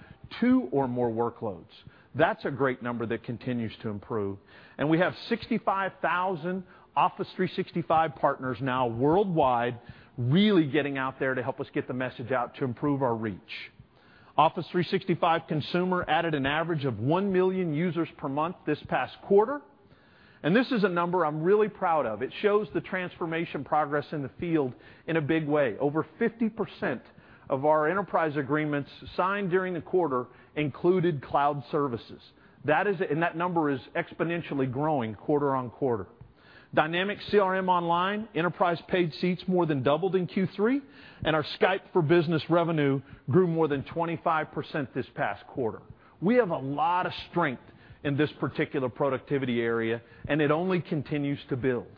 two or more workloads. That's a great number that continues to improve. We have 65,000 Office 365 partners now worldwide, really getting out there to help us get the message out to improve our reach. Office 365 Consumer added an average of 1 million users per month this past quarter, this is a number I'm really proud of. It shows the transformation progress in the field in a big way. Over 50% of our Enterprise Agreements signed during the quarter included cloud services. That number is exponentially growing quarter-over-quarter. Dynamics CRM Online enterprise paid seats more than doubled in Q3, our Skype for Business revenue grew more than 25% this past quarter. We have a lot of strength in this particular productivity area, it only continues to build.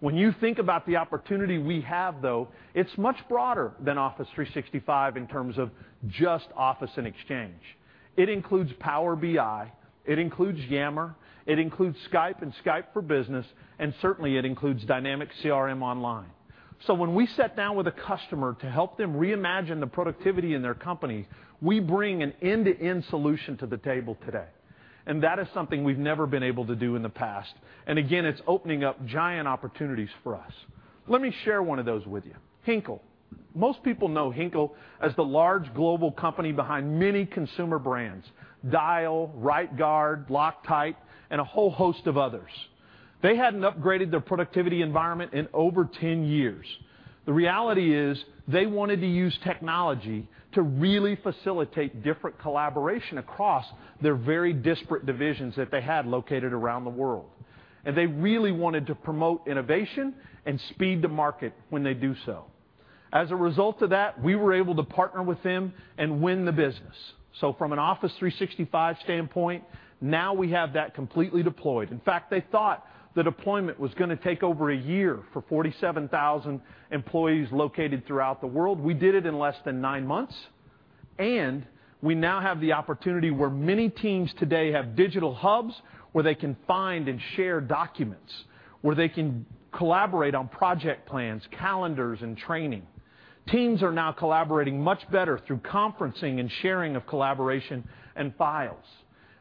When you think about the opportunity we have, though, it's much broader than Office 365 in terms of just Office and Exchange. It includes Power BI, it includes Yammer, it includes Skype and Skype for Business, certainly, it includes Dynamics CRM Online. When we sit down with a customer to help them reimagine the productivity in their company, we bring an end-to-end solution to the table today, that is something we've never been able to do in the past. Again, it's opening up giant opportunities for us. Let me share one of those with you. Henkel. Most people know Henkel as the large global company behind many consumer brands, Dial, Right Guard, Loctite, a whole host of others. They hadn't upgraded their productivity environment in over 10 years. The reality is they wanted to use technology to really facilitate different collaboration across their very disparate divisions that they had located around the world. They really wanted to promote innovation and speed to market when they do so. As a result of that, we were able to partner with them and win the business. From an Office 365 standpoint, now we have that completely deployed. In fact, they thought the deployment was going to take over a year for 47,000 employees located throughout the world. We did it in less than nine months, and we now have the opportunity where many teams today have digital hubs where they can find and share documents, where they can collaborate on project plans, calendars, and training. Teams are now collaborating much better through conferencing and sharing of collaboration and files.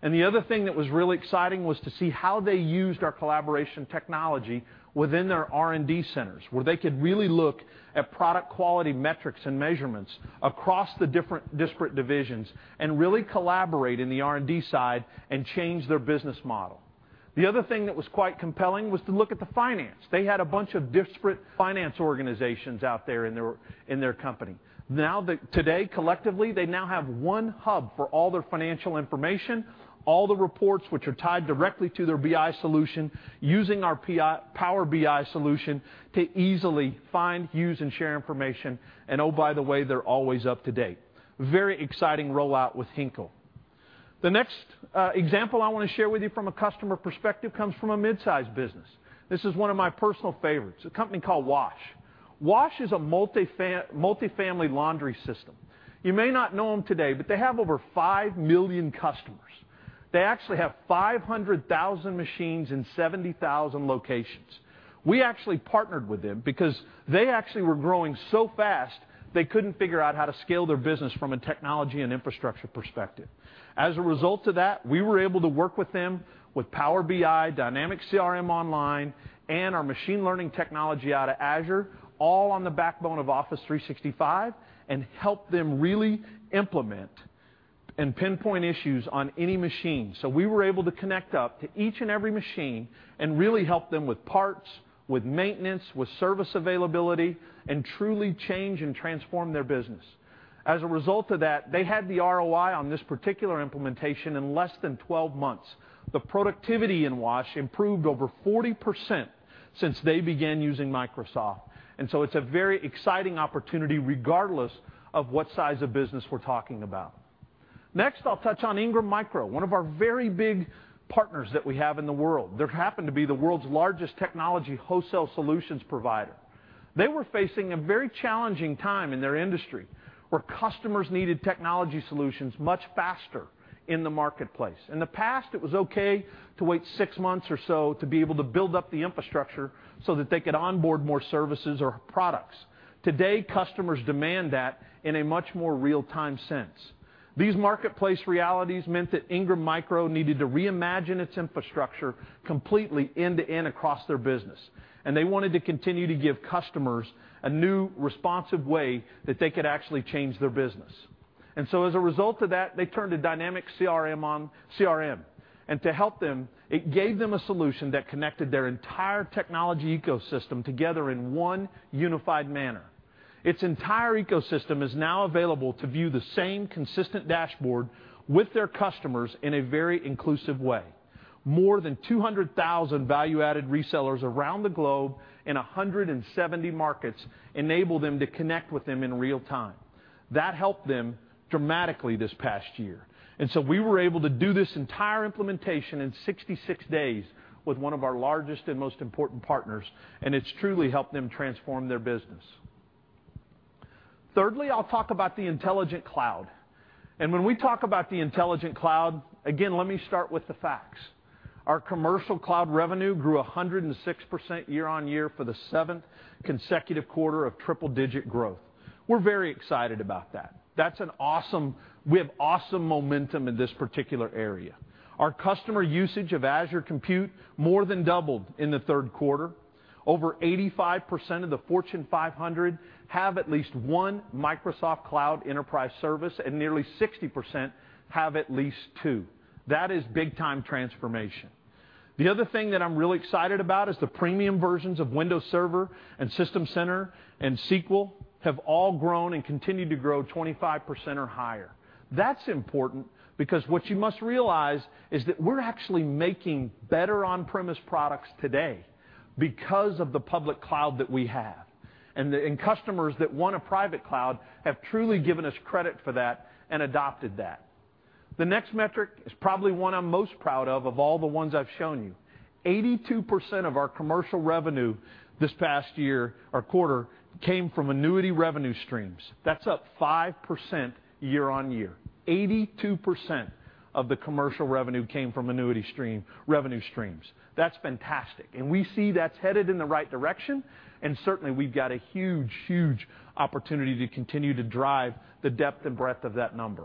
The other thing that was really exciting was to see how they used our collaboration technology within their R&D centers, where they could really look at product quality metrics and measurements across the different disparate divisions and really collaborate in the R&D side and change their business model. The other thing that was quite compelling was to look at the finance. They had a bunch of disparate finance organizations out there in their company. Now today, collectively, they now have one hub for all their financial information, all the reports which are tied directly to their BI solution, using our Power BI solution to easily find, use, and share information. Oh, by the way, they're always up to date. Very exciting rollout with Henkel. The next example I want to share with you from a customer perspective comes from a mid-size business. This is one of my personal favorites, a company called WASH. WASH is a multi-family laundry system. You may not know them today, but they have over five million customers. They actually have 500,000 machines in 70,000 locations. We actually partnered with them because they actually were growing so fast they couldn't figure out how to scale their business from a technology and infrastructure perspective. As a result of that, we were able to work with them with Power BI, Dynamics CRM Online, and our machine learning technology out of Azure, all on the backbone of Office 365, and help them really implement and pinpoint issues on any machine. We were able to connect up to each and every machine and really help them with parts, with maintenance, with service availability, and truly change and transform their business. As a result of that, they had the ROI on this particular implementation in less than 12 months. The productivity in WASH improved over 40% since they began using Microsoft. It's a very exciting opportunity, regardless of what size of business we're talking about. Next, I'll touch on Ingram Micro, one of our very big partners that we have in the world. They happen to be the world's largest technology wholesale solutions provider. They were facing a very challenging time in their industry where customers needed technology solutions much faster in the marketplace. In the past, it was okay to wait six months or so to be able to build up the infrastructure so that they could onboard more services or products. Today, customers demand that in a much more real-time sense. These marketplace realities meant that Ingram Micro needed to reimagine its infrastructure completely end-to-end across their business. They wanted to continue to give customers a new, responsive way that they could actually change their business. As a result of that, they turned to Dynamics CRM. To help them, it gave them a solution that connected their entire technology ecosystem together in one unified manner. Its entire ecosystem is now available to view the same consistent dashboard with their customers in a very inclusive way. More than 200,000 value-added resellers around the globe in 170 markets enable them to connect with them in real time. That helped them dramatically this past year. We were able to do this entire implementation in 66 days with one of our largest and most important partners, and it's truly helped them transform their business. Thirdly, I'll talk about the intelligent cloud. When we talk about the intelligent cloud, again, let me start with the facts. Our commercial cloud revenue grew 106% year-on-year for the seventh consecutive quarter of triple-digit growth. We're very excited about that. We have awesome momentum in this particular area. Our customer usage of Azure Compute more than doubled in the third quarter. Over 85% of the Fortune 500 have at least one Microsoft cloud enterprise service, and nearly 60% have at least two. That is big-time transformation. The other thing that I'm really excited about is the premium versions of Windows Server, and System Center, and SQL have all grown and continue to grow 25% or higher. That's important because what you must realize is that we're actually making better on-premise products today because of the public cloud that we have. The customers that want a private cloud have truly given us credit for that and adopted that. The next metric is probably one I'm most proud of all the ones I've shown you. 82% of our commercial revenue this past year or quarter came from annuity revenue streams. That's up 5% year-on-year. 82% of the commercial revenue came from annuity revenue streams. That's fantastic, and we see that's headed in the right direction, and certainly, we've got a huge opportunity to continue to drive the depth and breadth of that number.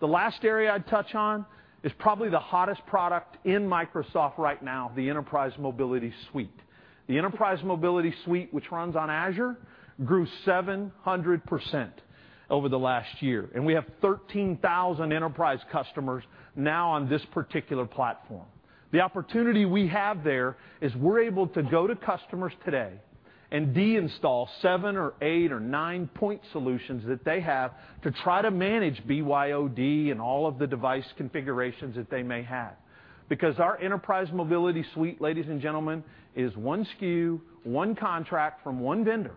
The last area I'd touch on is probably the hottest product in Microsoft right now, the Enterprise Mobility Suite. The Enterprise Mobility Suite, which runs on Azure, grew 700% over the last year, and we have 13,000 enterprise customers now on this particular platform. The opportunity we have there is we're able to go to customers today and deinstall seven or eight or nine point solutions that they have to try to manage BYOD and all of the device configurations that they may have. Because our Enterprise Mobility Suite, ladies and gentlemen, is one SKU, one contract from one vendor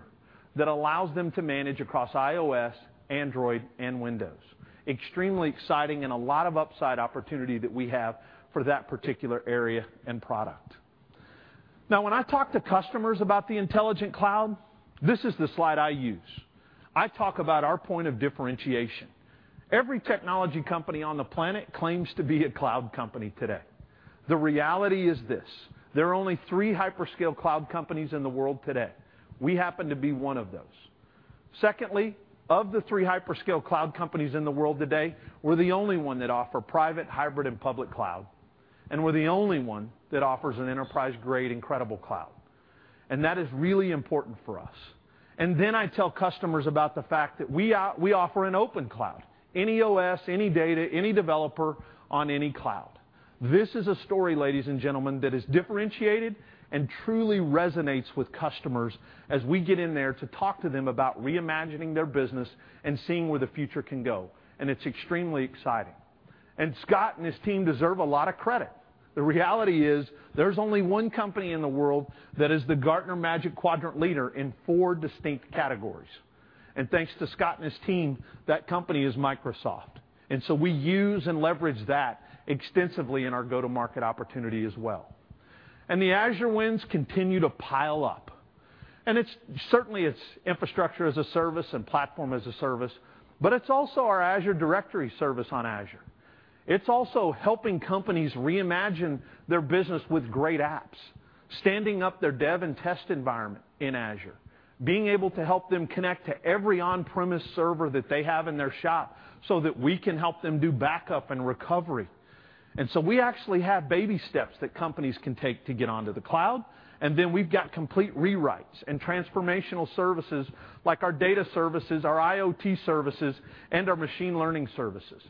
that allows them to manage across iOS, Android, and Windows. Extremely exciting and a lot of upside opportunity that we have for that particular area and product. When I talk to customers about the intelligent cloud, this is the slide I use. I talk about our point of differentiation. Every technology company on the planet claims to be a cloud company today. The reality is this: There are only three hyperscale cloud companies in the world today. We happen to be one of those. Secondly, of the three hyperscale cloud companies in the world today, we're the only one that offer private, hybrid, and public cloud, and we're the only one that offers an enterprise-grade incredible cloud. That is really important for us. Then I tell customers about the fact that we offer an open cloud, any OS, any data, any developer on any cloud. This is a story, ladies and gentlemen, that is differentiated and truly resonates with customers as we get in there to talk to them about reimagining their business and seeing where the future can go, and it's extremely exciting. Scott and his team deserve a lot of credit. The reality is there's only one company in the world that is the Gartner Magic Quadrant leader in four distinct categories. Thanks to Scott and his team, that company is Microsoft. We use and leverage that extensively in our go-to-market opportunity as well. The Azure wins continue to pile up. It's certainly it's infrastructure-as-a-service and platform-as-a-service, but it's also our Azure Directory service on Azure. It's also helping companies reimagine their business with great apps, standing up their dev and test environment in Azure, being able to help them connect to every on-premise server that they have in their shop so that we can help them do backup and recovery. We actually have baby steps that companies can take to get onto the cloud, and then we've got complete rewrites and transformational services like our data services, our IoT services, and our machine learning services.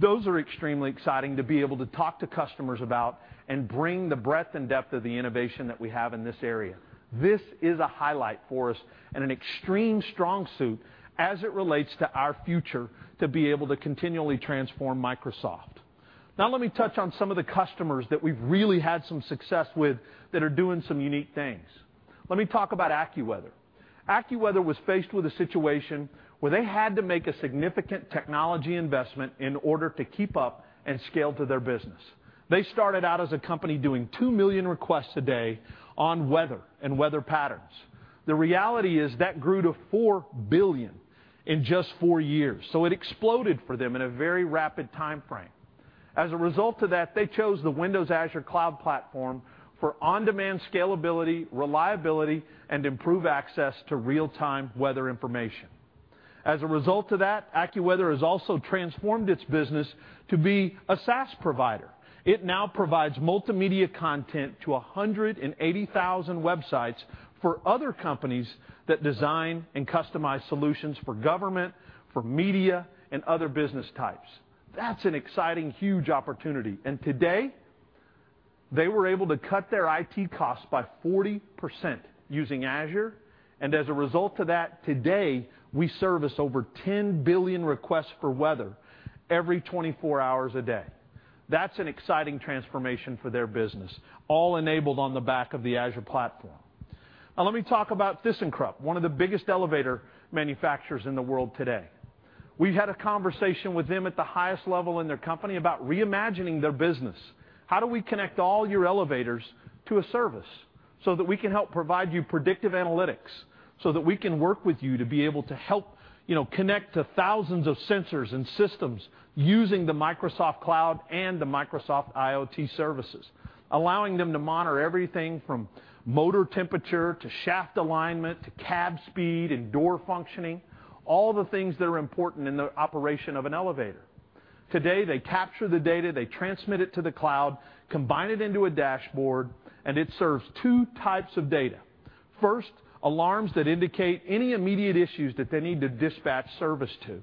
Those are extremely exciting to be able to talk to customers about and bring the breadth and depth of the innovation that we have in this area. This is a highlight for us and an extreme strong suit as it relates to our future to be able to continually transform Microsoft. Let me touch on some of the customers that we've really had some success with that are doing some unique things. Let me talk about AccuWeather. AccuWeather was faced with a situation where they had to make a significant technology investment in order to keep up and scale to their business. They started out as a company doing 2 million requests a day on weather and weather patterns. The reality is that grew to 4 billion in just 4 years, so it exploded for them in a very rapid time frame. They chose the Windows Azure cloud platform for on-demand scalability, reliability, and improved access to real-time weather information. AccuWeather has also transformed its business to be a SaaS provider. It now provides multimedia content to 180,000 websites for other companies that design and customize solutions for government, for media, and other business types. That's an exciting, huge opportunity. Today, they were able to cut their IT costs by 40% using Azure. Today, we service over 10 billion requests for weather every 24 hours a day. That's an exciting transformation for their business, all enabled on the back of the Azure platform. ThyssenKrupp, one of the biggest elevator manufacturers in the world today. We had a conversation with them at the highest level in their company about reimagining their business. How do we connect all your elevators to a service so that we can help provide you predictive analytics so that we can work with you to be able to help connect to thousands of sensors and systems using the Microsoft cloud and the Microsoft IoT services, allowing them to monitor everything from motor temperature, to shaft alignment, to cab speed, and door functioning, all the things that are important in the operation of an elevator. Today, they capture the data, they transmit it to the cloud, combine it into a dashboard, and it serves 2 types of data. First, alarms that indicate any immediate issues that they need to dispatch service to.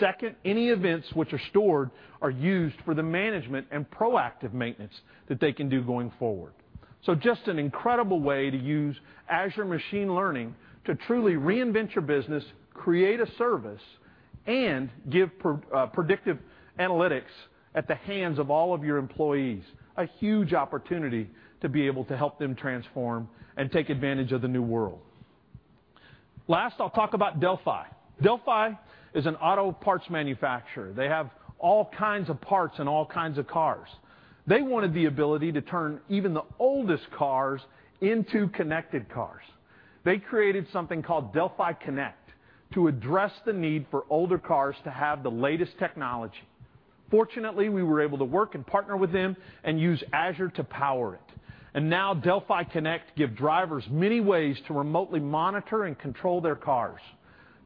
Second, any events which are stored are used for the management and proactive maintenance that they can do going forward. Just an incredible way to use Azure machine learning to truly reinvent your business, create a service And give predictive analytics at the hands of all of your employees, a huge opportunity to be able to help them transform and take advantage of the new world. Last, I'll talk about Delphi. Delphi is an auto parts manufacturer. They have all kinds of parts and all kinds of cars. They wanted the ability to turn even the oldest cars into connected cars. They created something called Delphi Connect to address the need for older cars to have the latest technology. Fortunately, we were able to work and partner with them and use Azure to power it. Now Delphi Connect give drivers many ways to remotely monitor and control their cars.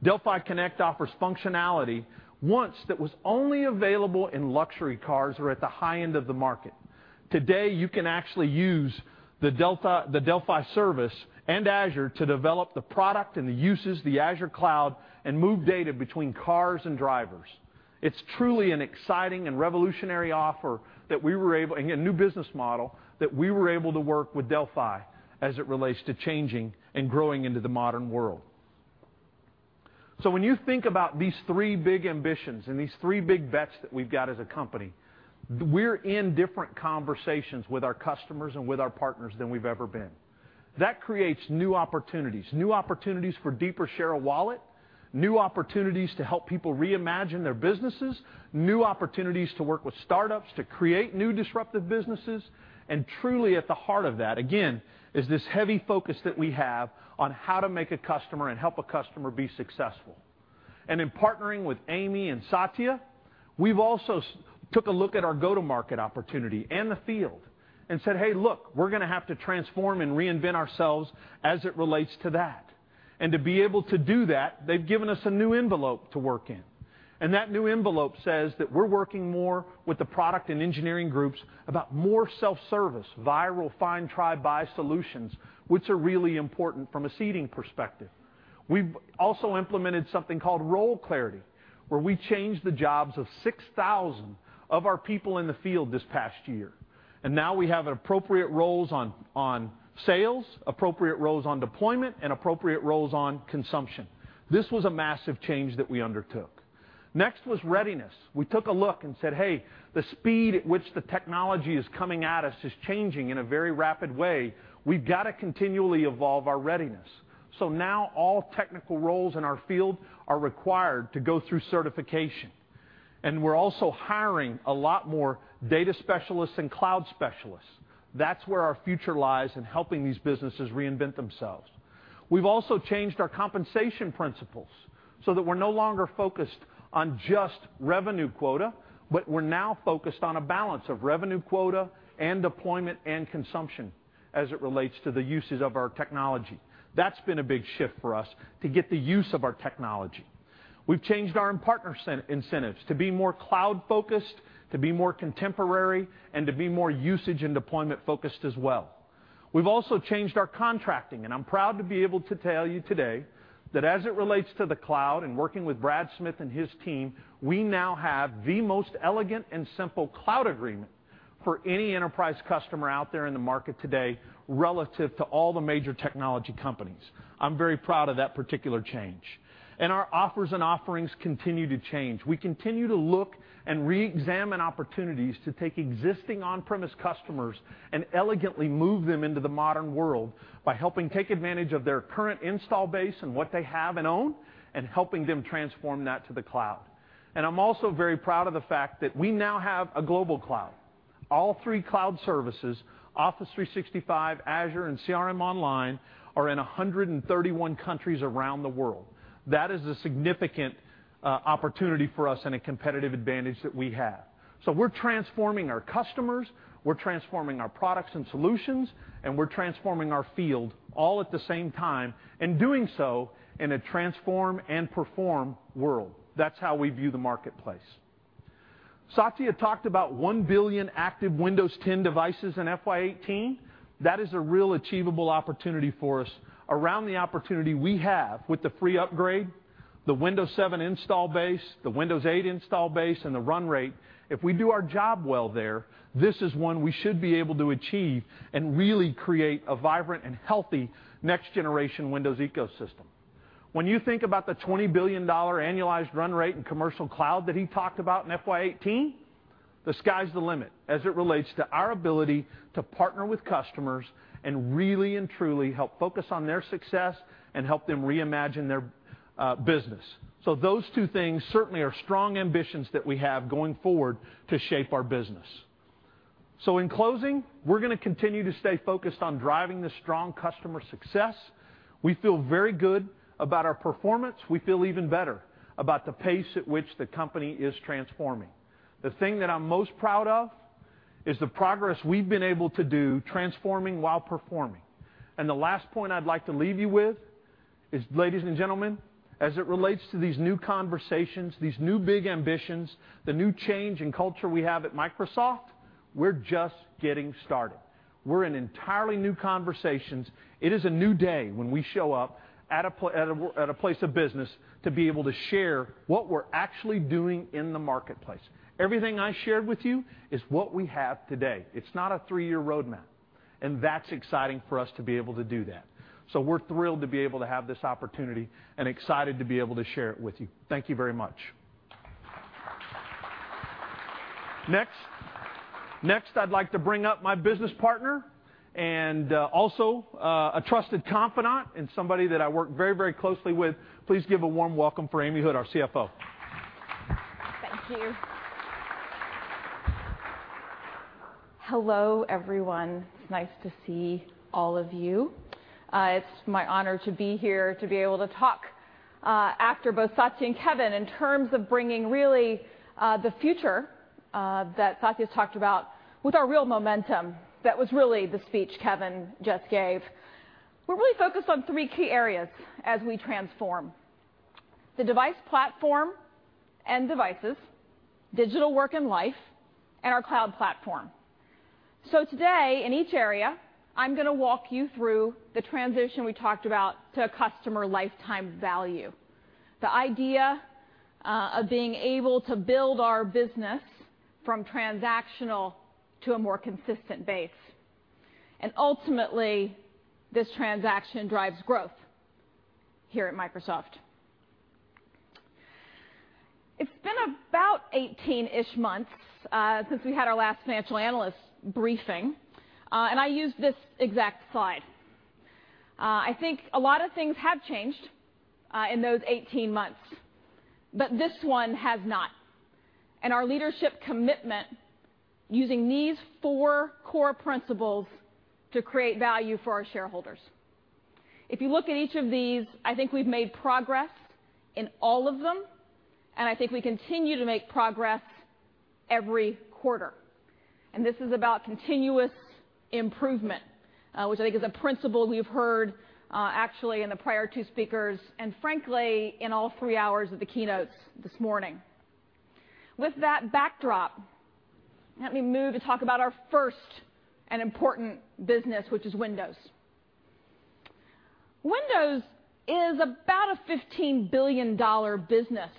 Delphi Connect offers functionality once that was only available in luxury cars or at the high end of the market. Today, you can actually use the Delphi service and Azure to develop the product and the uses the Azure cloud, and move data between cars and drivers. It's truly an exciting and revolutionary offer and a new business model that we were able to work with Delphi as it relates to changing and growing into the modern world. When you think about these three big ambitions and these three big bets that we've got as a company, we're in different conversations with our customers and with our partners than we've ever been. That creates new opportunities. New opportunities for deeper share of wallet, new opportunities to help people reimagine their businesses, new opportunities to work with startups to create new disruptive businesses. Truly at the heart of that, again, is this heavy focus that we have on how to make a customer and help a customer be successful. In partnering with Amy and Satya, we've also took a look at our go-to-market opportunity and the field and said, "Hey, look, we're going to have to transform and reinvent ourselves as it relates to that." To be able to do that, they've given us a new envelope to work in. That new envelope says that we're working more with the product and engineering groups about more self-service, viral find, try, buy solutions, which are really important from a seeding perspective. We've also implemented something called role clarity, where we changed the jobs of 6,000 of our people in the field this past year. Now we have appropriate roles on sales, appropriate roles on deployment, and appropriate roles on consumption. This was a massive change that we undertook. Next was readiness. We took a look and said, "Hey, the speed at which the technology is coming at us is changing in a very rapid way." We've got to continually evolve our readiness. Now all technical roles in our field are required to go through certification. We're also hiring a lot more data specialists and cloud specialists. That's where our future lies in helping these businesses reinvent themselves. We've also changed our compensation principles so that we're no longer focused on just revenue quota, but we're now focused on a balance of revenue quota and deployment and consumption as it relates to the uses of our technology. That's been a big shift for us to get the use of our technology. We've changed our partner incentives to be more cloud focused, to be more contemporary, and to be more usage and deployment focused as well. We've also changed our contracting, and I'm proud to be able to tell you today that as it relates to the cloud and working with Brad Smith and his team, we now have the most elegant and simple cloud agreement for any enterprise customer out there in the market today relative to all the major technology companies. I'm very proud of that particular change. Our offers and offerings continue to change. We continue to look and reexamine opportunities to take existing on-premise customers and elegantly move them into the modern world by helping take advantage of their current install base and what they have and own, and helping them transform that to the cloud. I'm also very proud of the fact that we now have a global cloud. All three cloud services, Office 365, Azure, and CRM Online, are in 131 countries around the world. That is a significant opportunity for us and a competitive advantage that we have. We're transforming our customers, we're transforming our products and solutions, and we're transforming our field all at the same time, and doing so in a transform and perform world. That's how we view the marketplace. Satya talked about 1 billion active Windows 10 devices in FY 2018. That is a real achievable opportunity for us around the opportunity we have with the free upgrade, the Windows 7 install base, the Windows 8 install base, and the run rate. If we do our job well there, this is one we should be able to achieve and really create a vibrant and healthy next generation Windows ecosystem. When you think about the $20 billion annualized run rate in commercial cloud that he talked about in FY 2018, the sky's the limit as it relates to our ability to partner with customers and really and truly help focus on their success and help them reimagine their business. Those two things certainly are strong ambitions that we have going forward to shape our business. In closing, we're going to continue to stay focused on driving the strong customer success. We feel very good about our performance. We feel even better about the pace at which the company is transforming. The thing that I'm most proud of is the progress we've been able to do transforming while performing. The last point I'd like to leave you with is, ladies and gentlemen, as it relates to these new conversations, these new big ambitions, the new change in culture we have at Microsoft, we're just getting started. We're in entirely new conversations. It is a new day when we show up at a place of business to be able to share what we're actually doing in the marketplace. Everything I shared with you is what we have today. It's not a three-year roadmap. That's exciting for us to be able to do that. We're thrilled to be able to have this opportunity and excited to be able to share it with you. Thank you very much. Next, I'd like to bring up my business partner, also a trusted confidant and somebody that I work very closely with. Please give a warm welcome for Amy Hood, our CFO. Thank you. Hello, everyone. It's nice to see all of you. It's my honor to be here to be able to talk after both Satya and Kevin in terms of bringing really the future that Satya's talked about with our real momentum. That was really the speech Kevin just gave. We're really focused on three key areas as we transform. The device platform and devices, digital work and life, and our cloud platform. Today, in each area, I'm going to walk you through the transition we talked about to customer lifetime value. The idea of being able to build our business from transactional to a more consistent base. Ultimately, this transaction drives growth here at Microsoft. It's been about 18-ish months since we had our last Financial Analyst Briefing, I used this exact slide. I think a lot of things have changed in those 18 months, this one has not, our leadership commitment using these four core principles to create value for our shareholders. If you look at each of these, I think we've made progress in all of them, I think we continue to make progress every quarter. This is about continuous improvement, which I think is a principle we've heard actually in the prior two speakers, and frankly, in all three hours of the keynotes this morning. With that backdrop, let me move to talk about our first and important business, which is Windows. Windows is about a $15 billion business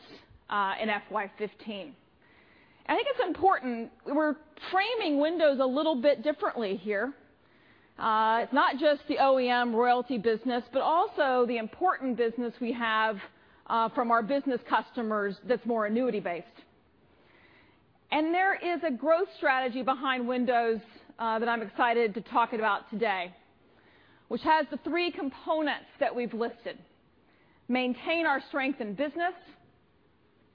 in FY 2015. I think it's important we're framing Windows a little bit differently here. It's not just the OEM royalty business, but also the important business we have from our business customers that's more annuity based. There is a growth strategy behind Windows that I'm excited to talk about today, which has the three components that we've listed. Maintain our strength in business,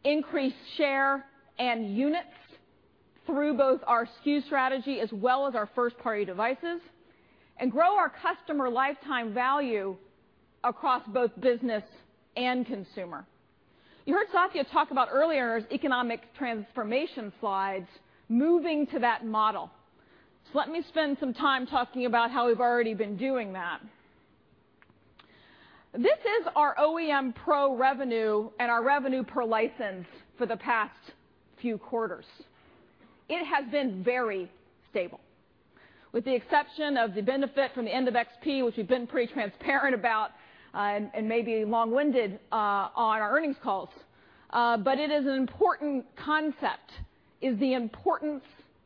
increase share and units through both our SKU strategy as well as our first-party devices, and grow our customer lifetime value across both business and consumer. You heard Satya talk about earlier economic transformation slides moving to that model. Let me spend some time talking about how we've already been doing that. This is our OEM Pro revenue and our revenue per license for the past few quarters. It has been very stable, with the exception of the benefit from the end of XP, which we've been pretty transparent about, and maybe long-winded on our earnings calls. It is an important concept, is the importance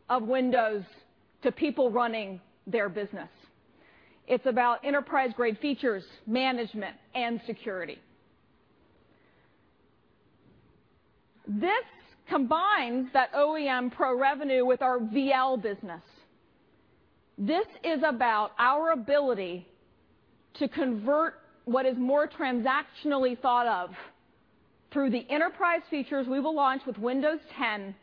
of Windows to people running their business. It's about enterprise grade features, management, and security. This combines that OEM Pro revenue with our VL business. This is about our ability to convert what is more transactionally thought of through the enterprise features we will launch with Windows 10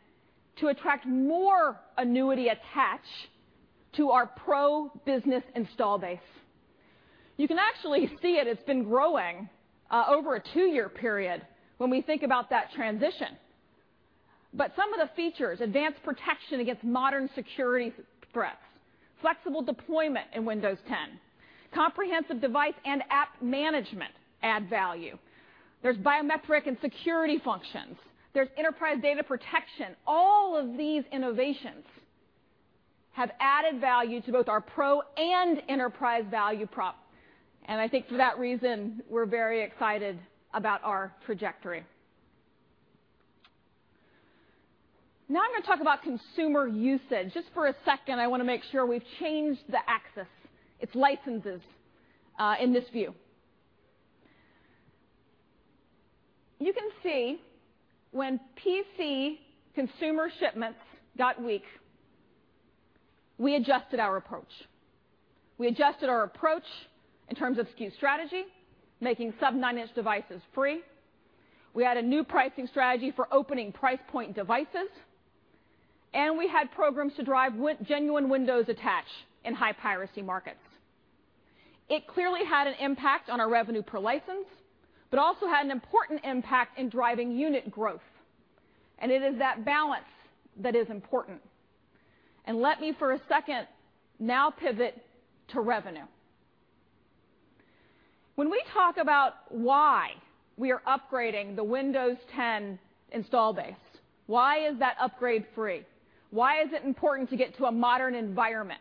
to attract more annuity attach to our Pro business install base. You can actually see it. It's been growing over a two-year period when we think about that transition. Some of the features, advanced protection against modern security threats, flexible deployment in Windows 10, comprehensive device and app management add value. There's biometric and security functions. There's enterprise data protection. All of these innovations have added value to both our Pro and enterprise value prop, and I think for that reason, we're very excited about our trajectory. I'm going to talk about consumer usage. Just for a second, I want to make sure we've changed the axis. It's licenses in this view. You can see when PC consumer shipments got weak, we adjusted our approach. We adjusted our approach in terms of SKU strategy, making sub-9-inch devices free. We had a new pricing strategy for opening price point devices, we had programs to drive genuine Windows attach in high piracy markets. It clearly had an impact on our revenue per license, but also had an important impact in driving unit growth, and it is that balance that is important. Let me, for a second, now pivot to revenue. When we talk about why we are upgrading the Windows 10 install base, why is that upgrade free? Why is it important to get to a modern environment?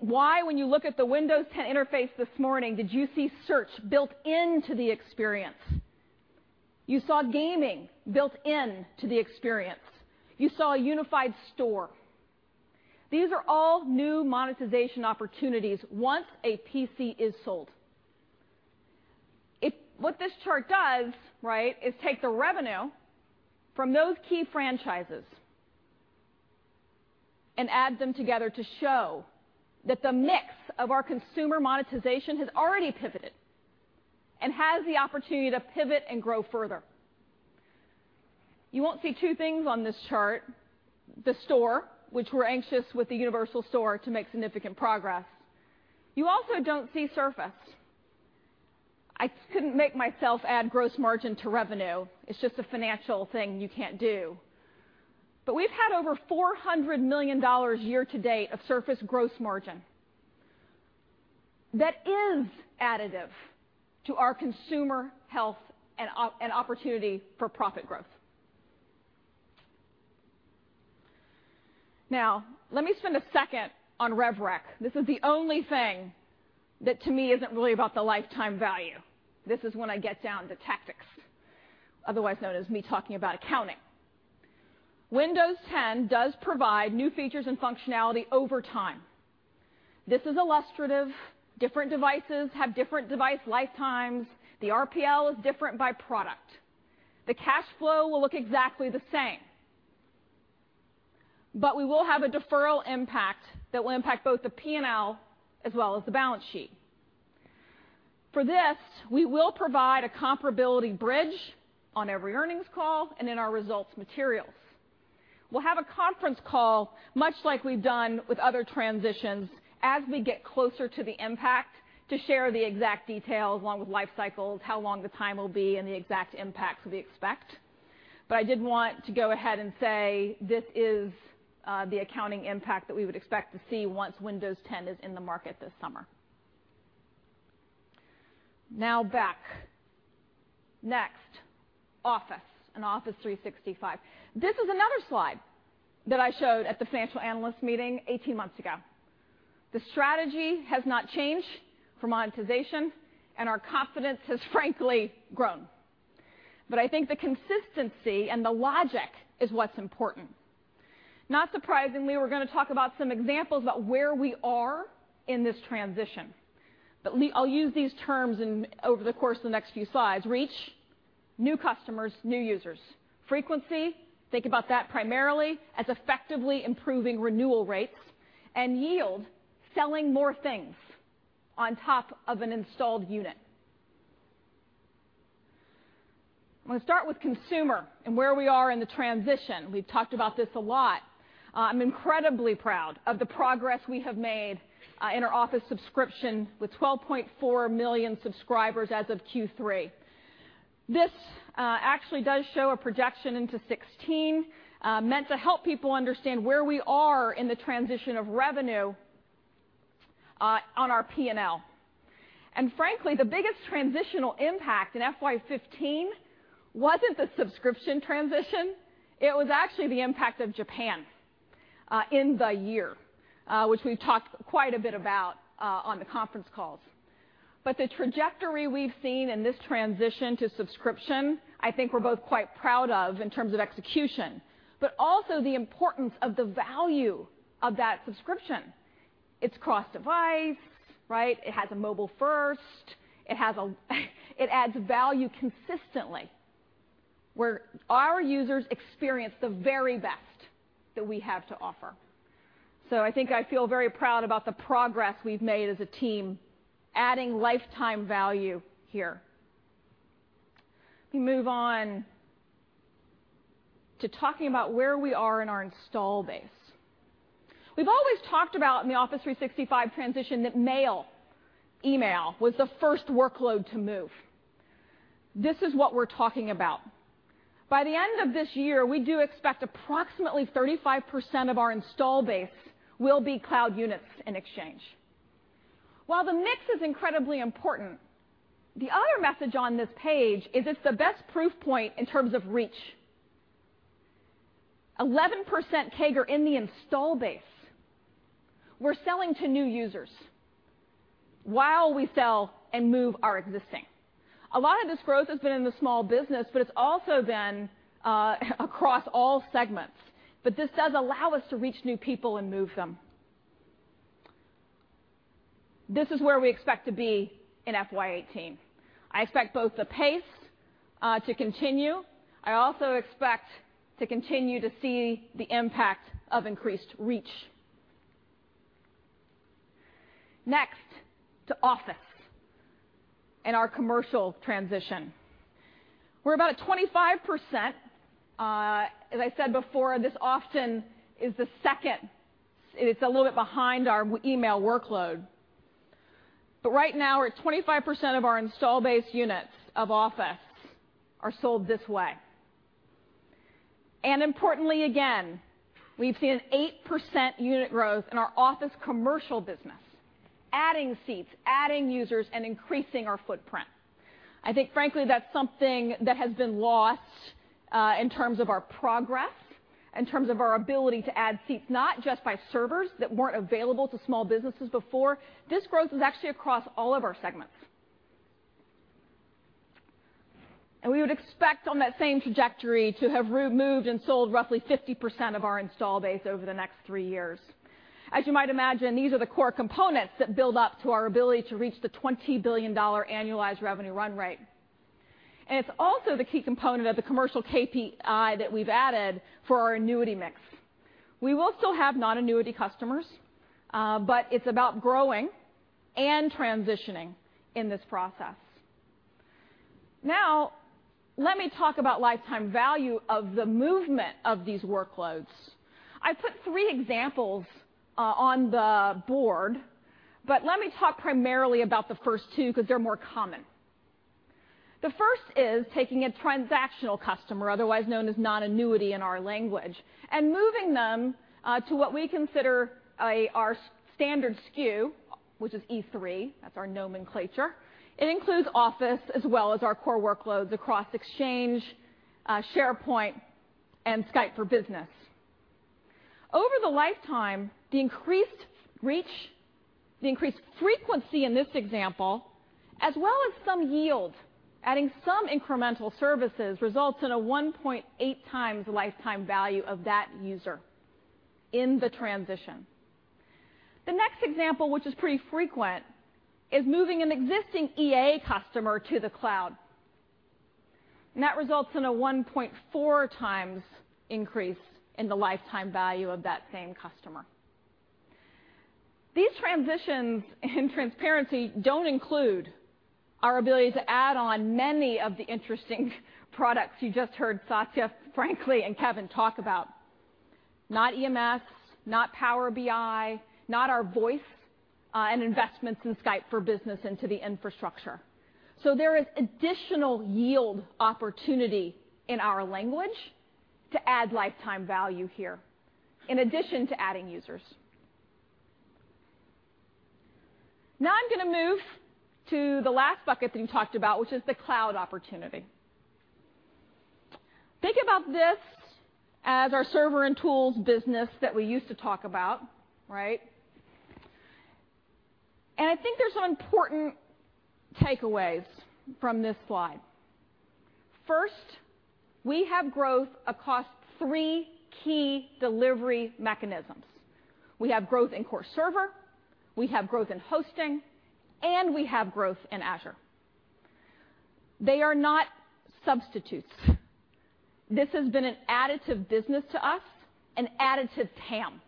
Why, when you look at the Windows 10 interface this morning, did you see search built into the experience? You saw gaming built into the experience. You saw a unified store. These are all new monetization opportunities once a PC is sold. What this chart does is take the revenue from those key franchises and add them together to show that the mix of our consumer monetization has already pivoted and has the opportunity to pivot and grow further. You won't see two things on this chart, the store, which we're anxious with the universal store to make significant progress. You also don't see Surface. I couldn't make myself add gross margin to revenue. It's just a financial thing you can't do. We've had over $400 million year-to-date of Surface gross margin. That is additive to our consumer health and opportunity for profit growth. Let me spend a second on rev rec. This is the only thing that, to me, isn't really about the lifetime value. This is when I get down to tactics, otherwise known as me talking about accounting. Windows 10 does provide new features and functionality over time. This is illustrative. Different devices have different device lifetimes. The RPL is different by product. The cash flow will look exactly the same. We will have a deferral impact that will impact both the P&L as well as the balance sheet. For this, we will provide a comparability bridge on every earnings call and in our results materials. We'll have a conference call, much like we've done with other transitions, as we get closer to the impact to share the exact details along with life cycles, how long the time will be, and the exact impacts we expect. I did want to go ahead and say this is the accounting impact that we would expect to see once Windows 10 is in the market this summer. Now back. Next, Office and Office 365. This is another slide that I showed at the financial analyst meeting 18 months ago. The strategy has not changed for monetization, and our confidence has frankly grown. I think the consistency and the logic is what's important. Not surprisingly, we are going to talk about some examples about where we are in this transition. I'll use these terms over the course of the next few slides. Reach, new customers, new users. Frequency, think about that primarily as effectively improving renewal rates. Yield, selling more things on top of an installed unit. I'm going to start with consumer and where we are in the transition. We've talked about this a lot. I'm incredibly proud of the progress we have made in our Office subscription with 12.4 million subscribers as of Q3. This actually does show a projection into 2016, meant to help people understand where we are in the transition of revenue on our P&L. Frankly, the biggest transitional impact in FY 2015 wasn't the subscription transition. It was actually the impact of Japan in the year, which we've talked quite a bit about on the conference calls. The trajectory we've seen in this transition to subscription, I think we're both quite proud of in terms of execution, but also the importance of the value of that subscription. It's cross-device. It has a mobile first. It adds value consistently, where our users experience the very best that we have to offer. I think I feel very proud about the progress we've made as a team adding lifetime value here. Let me move on to talking about where we are in our install base. We've always talked about in the Office 365 transition that mail, email, was the first workload to move. This is what we're talking about. By the end of this year, we do expect approximately 35% of our install base will be cloud units in Exchange. While the mix is incredibly important, the other message on this page is it's the best proof point in terms of reach. 11% CAGR in the install base. We're selling to new users while we sell and move our existing. A lot of this growth has been in the small business, but it's also been across all segments. This does allow us to reach new people and move them. This is where we expect to be in FY 2018. I expect both the pace to continue. I also expect to continue to see the impact of increased reach. Next, to Office and our commercial transition. We're about at 25%. As I said before, this often is the second. It's a little bit behind our email workload. Right now, we're at 25% of our install base units of Office are sold this way. Importantly, again, we've seen an 8% unit growth in our Office commercial business, adding seats, adding users, and increasing our footprint. I think frankly, that's something that has been lost in terms of our progress, in terms of our ability to add seats, not just by servers that weren't available to small businesses before, this growth is actually across all of our segments. We would expect on that same trajectory to have removed and sold roughly 50% of our install base over the next three years. As you might imagine, these are the core components that build up to our ability to reach the $20 billion annualized revenue run rate. It's also the key component of the commercial KPI that we've added for our annuity mix. We will still have non-annuity customers, but it's about growing and transitioning in this process. Let me talk about lifetime value of the movement of these workloads. I put three examples on the board, but let me talk primarily about the first two because they're more common. The first is taking a transactional customer, otherwise known as non-annuity in our language, and moving them to what we consider our standard SKU, which is E3. That's our nomenclature. It includes Office as well as our core workloads across Exchange, SharePoint, and Skype for Business. Over the lifetime, the increased reach, the increased frequency in this example, as well as some yield, adding some incremental services results in a 1.8 times the lifetime value of that user in the transition. The next example, which is pretty frequent, is moving an existing EA customer to the cloud, and that results in a 1.4 times increase in the lifetime value of that same customer. These transitions, in transparency, don't include our ability to add on many of the interesting products you just heard Satya, frankly, and Kevin talk about, not EMS, not Power BI, not our voice and investments in Skype for Business into the infrastructure. There is additional yield opportunity in our language to add lifetime value here in addition to adding users. I'm going to move to the last bucket that we talked about, which is the cloud opportunity. Think about this as our server and tools business that we used to talk about. Right? I think there's some important takeaways from this slide. First, we have growth across three key delivery mechanisms. We have growth in core server, we have growth in hosting, and we have growth in Azure. They are not substitutes. This has been an additive business to us, an additive TAM,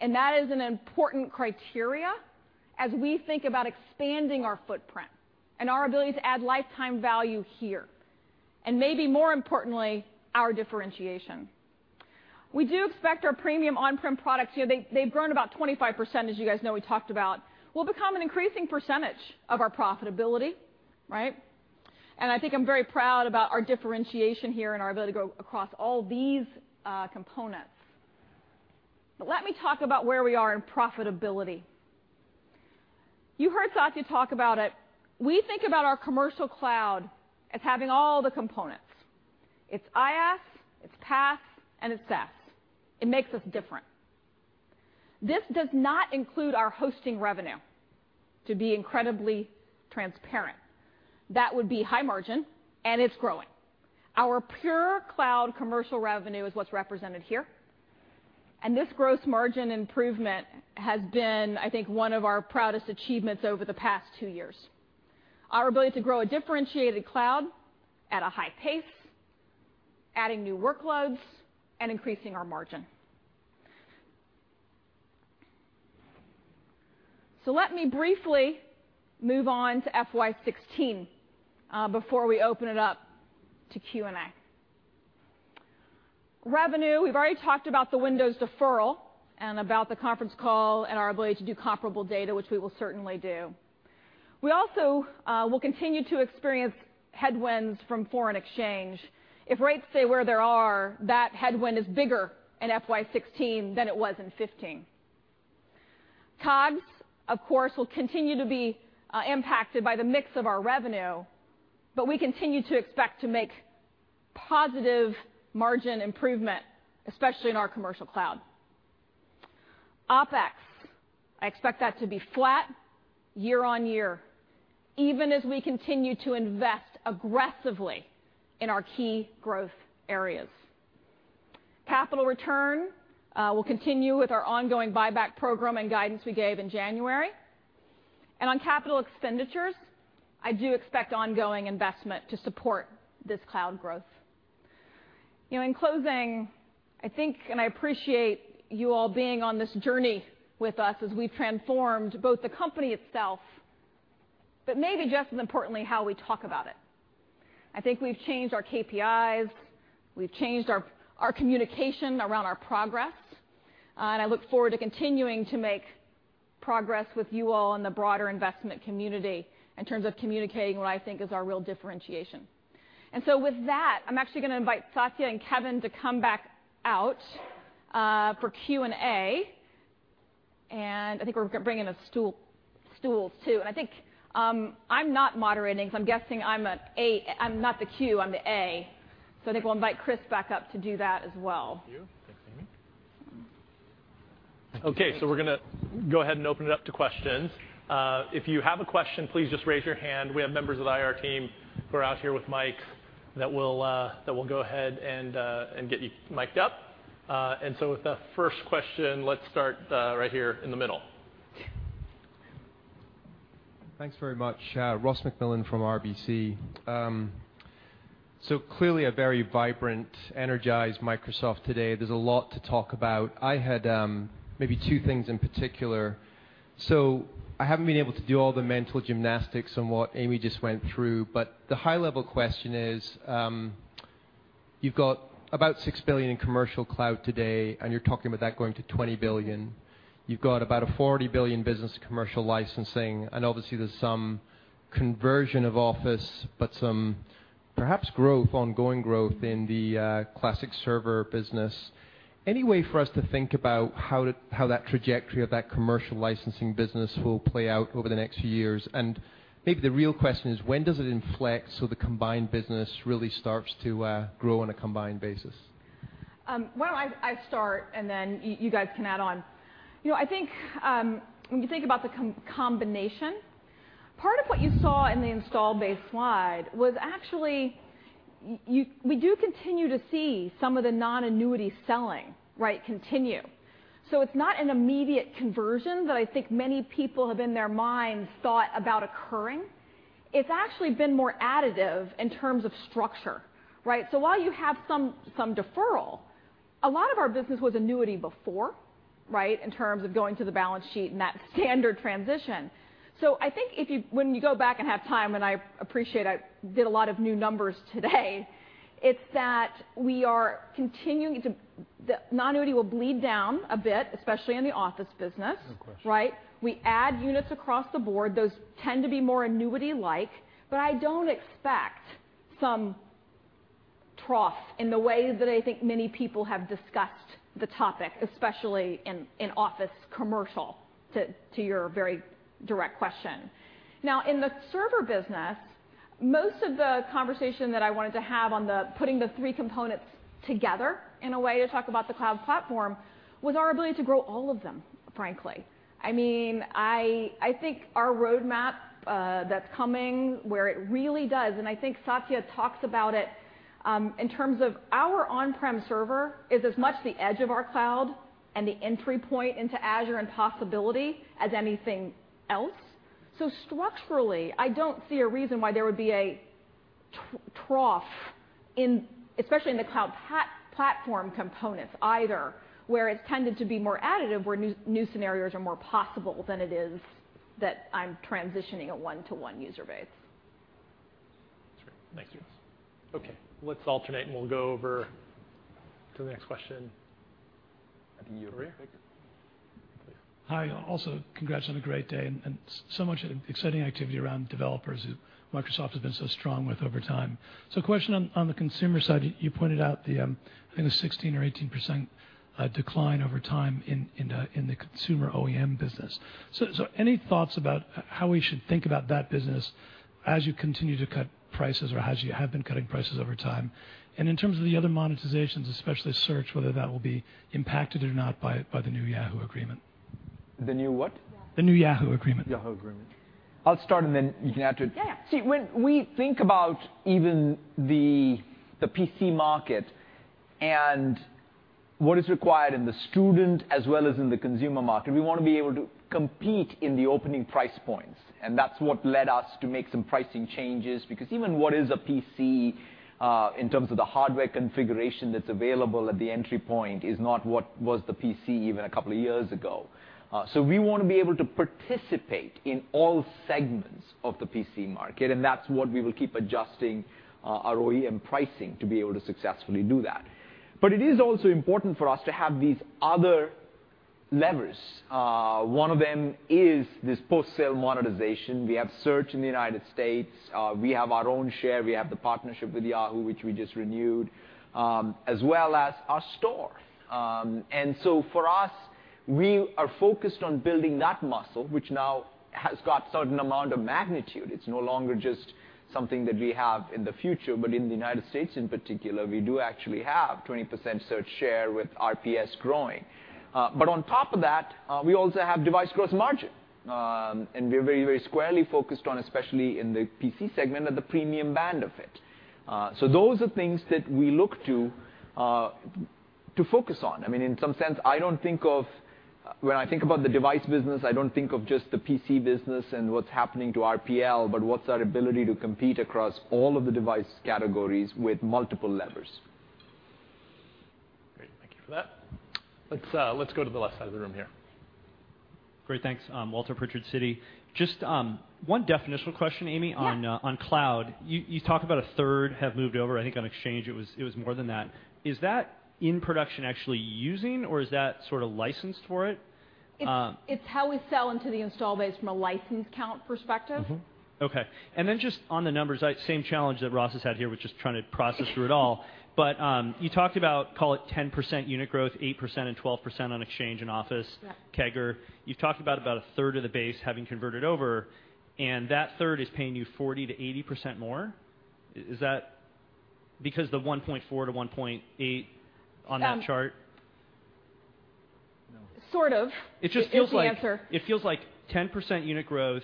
and that is an important criteria as we think about expanding our footprint and our ability to add lifetime value here, and maybe more importantly, our differentiation. We do expect our premium on-prem products here, they've grown about 25%, as you guys know we talked about, will become an increasing percentage of our profitability. Right? I think I'm very proud about our differentiation here and our ability to grow across all these components. Let me talk about where we are in profitability. You heard Satya talk about it. We think about our commercial cloud as having all the components. It's IaaS, it's PaaS, and it's SaaS. It makes us different. This does not include our hosting revenue, to be incredibly transparent. That would be high margin, and it's growing. Our pure cloud commercial revenue is what's represented here, and this gross margin improvement has been, I think, one of our proudest achievements over the past two years, our ability to grow a differentiated cloud at a high pace, adding new workloads, and increasing our margin. Let me briefly move on to FY 2016 before we open it up to Q&A. Revenue, we've already talked about the Windows deferral and about the conference call and our ability to do comparable data, which we will certainly do. We also will continue to experience headwinds from foreign exchange. If rates stay where they are, that headwind is bigger in FY 2016 than it was in 2015. COGS, of course, will continue to be impacted by the mix of our revenue, but we continue to expect to make positive margin improvement, especially in our commercial cloud. OpEx, I expect that to be flat year-over-year, even as we continue to invest aggressively in our key growth areas. Capital return will continue with our ongoing buyback program and guidance we gave in January. On capital expenditures, I do expect ongoing investment to support this cloud growth. In closing, I think, I appreciate you all being on this journey with us as we've transformed both the company itself, but maybe just as importantly, how we talk about it. I think we've changed our KPIs, we've changed our communication around our progress, I look forward to continuing to make progress with you all and the broader investment community in terms of communicating what I think is our real differentiation. With that, I'm actually going to invite Satya and Kevin to come back out for Q&A. I think we're bringing the stools too. I think I'm not moderating, so I'm guessing I'm not the Q, I'm the A, so I think we'll invite Chris back up to do that as well. Thank you. Thanks, Amy. We're going to go ahead and open it up to questions. If you have a question, please just raise your hand. We have members of the IR team who are out here with mics that will go ahead and get you mic'd up. With the first question, let's start right here in the middle. Thanks very much. Ross MacMillan from RBC. Clearly a very vibrant, energized Microsoft today. There's a lot to talk about. I had maybe two things in particular. I haven't been able to do all the mental gymnastics on what Amy just went through, but the high-level question is, you've got about $6 billion in commercial cloud today, and you're talking about that going to $20 billion. You've got about a $40 billion business commercial licensing, and obviously there's some conversion of Office, but some perhaps ongoing growth in the classic server business. Any way for us to think about how that trajectory of that commercial licensing business will play out over the next few years? Maybe the real question is when does it inflect so the combined business really starts to grow on a combined basis? Why don't I start and then you guys can add on. When you think about the combination, part of what you saw in the install base slide was actually we do continue to see some of the non-annuity selling continue. It's not an immediate conversion that I think many people have, in their minds, thought about occurring. It's actually been more additive in terms of structure. Right? While you have some deferral, a lot of our business was annuity before, in terms of going to the balance sheet and that standard transition. I think when you go back and have time, and I appreciate I did a lot of new numbers today, it's that the non-annuity will bleed down a bit, especially in the Office business. No question. Right? We add units across the board. Those tend to be more annuity-like, but I don't expect some trough in the way that I think many people have discussed the topic, especially in Office commercial, to your very direct question. In the server business, most of the conversation that I wanted to have on putting the three components together in a way to talk about the cloud platform was our ability to grow all of them, frankly. I think our roadmap that's coming where it really does, and I think Satya talks about it in terms of our on-prem server is as much the edge of our cloud and the entry point into Azure and possibility as anything else. Structurally, I don't see a reason why there would be a trough, especially in the cloud platform components, either, where it's tended to be more additive, where new scenarios are more possible than it is that I'm transitioning a one-to-one user base. That's great. Thanks. Okay, let's alternate and we'll go over to the next question. Over here. Hi, also congrats on a great day and so much exciting activity around developers who Microsoft has been so strong with over time. Question on the consumer side, you pointed out the, I think, 16% or 18% decline over time in the consumer OEM business. Any thoughts about how we should think about that business as you continue to cut prices or as you have been cutting prices over time? In terms of the other monetizations, especially search, whether that will be impacted or not by the new Yahoo agreement. The new what? The new Yahoo agreement. Yahoo agreement. I'll start and then you can add to it. Yeah. When we think about even the PC market and what is required in the student as well as in the consumer market, we want to be able to compete in the opening price points, and that's what led us to make some pricing changes, because even what is a PC in terms of the hardware configuration that's available at the entry point is not what was the PC even a couple of years ago. We want to be able to participate in all segments of the PC market, and that's what we will keep adjusting our OEM pricing to be able to successfully do that. It is also important for us to have these other levers. One of them is this post-sale monetization. We have search in the U.S. We have our own share. We have the partnership with Yahoo, which we just renewed, as well as our store. For us, we are focused on building that muscle, which now has got a certain amount of magnitude. It's no longer just something that we have in the future, but in the U.S. in particular, we do actually have 20% search share with RPS growing. On top of that, we also have device gross margin. We're very squarely focused on, especially in the PC segment, at the premium band of it. Those are things that we look to focus on. In some sense, when I think about the device business, I don't think of just the PC business and what's happening to RPL, but what's our ability to compete across all of the device categories with multiple levers. Great, thank you for that. Let's go to the left side of the room here. Great, thanks. Walter Pritchard, Citi. Just one definitional question, Amy- Yeah on cloud. You talk about a third have moved over. I think on Exchange it was more than that. Is that in production actually using or is that sort of licensed for it? It's how we sell into the install base from a license count perspective. Mm-hmm. Okay. Just on the numbers, same challenge that Ross has had here with just trying to process through it all. You talked about, call it 10% unit growth, 8% and 12% on Exchange and Office- Yeah CAGR. You've talked about a third of the base having converted over, and that third is paying you 40%-80% more. Is that because the 1.4 to 1.8 on that chart? Sort of is the answer. It just feels like 10% unit growth,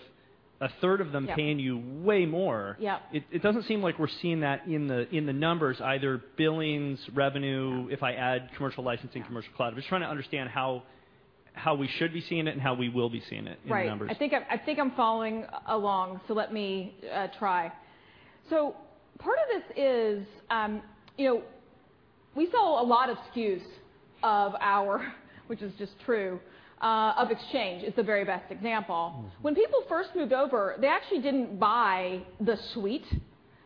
a third of them. Yeah Paying you way more. Yeah. It doesn't seem like we're seeing that in the numbers, either billings, revenue- Yeah if I add commercial licensing- Yeah commercial cloud. I'm just trying to understand how we should be seeing it and how we will be seeing it in the numbers. Right. I think I'm following along, so let me try. Part of this is we sell a lot of SKUs of our, which is just true, of Exchange. It's the very best example. When people first moved over, they actually didn't buy the suite.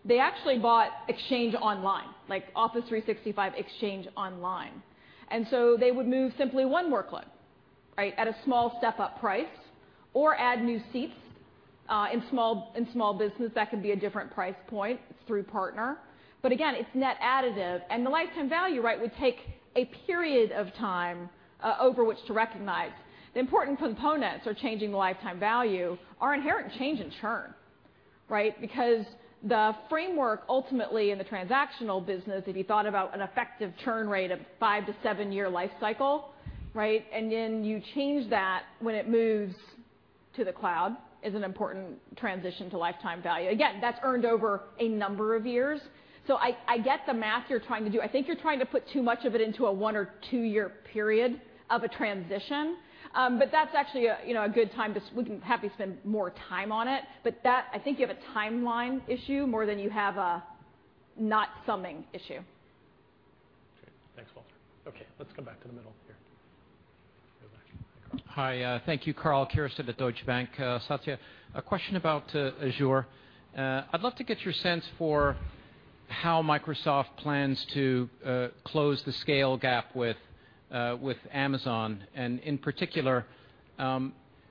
They actually bought Exchange Online, like Office 365 Exchange Online, they would move simply one workload, right, at a small step-up price or add new seats. In small business, that could be a different price point through partner. Again, it's net additive, and the lifetime value, right, would take a period of time over which to recognize. The important components are changing the lifetime value are inherent change in churn, right? Because the framework ultimately in the transactional business, if you thought about an effective churn rate of five- to seven-year life cycle, right, and then you change that when it moves to the cloud, is an important transition to lifetime value. Again, that's earned over a number of years. I get the math you're trying to do. I think you're trying to put too much of it into a one- or two-year period of a transition. That's actually a good time to We'd be happy to spend more time on it. That, I think you have a timeline issue more than you have a not summing issue. Great. Thanks, Walter. Let's come back to the middle here. Go back. Karl. Hi. Thank you. Karl Keirstead at Deutsche Bank. Satya, a question about Azure. I'd love to get your sense for how Microsoft plans to close the scale gap with Amazon, in particular,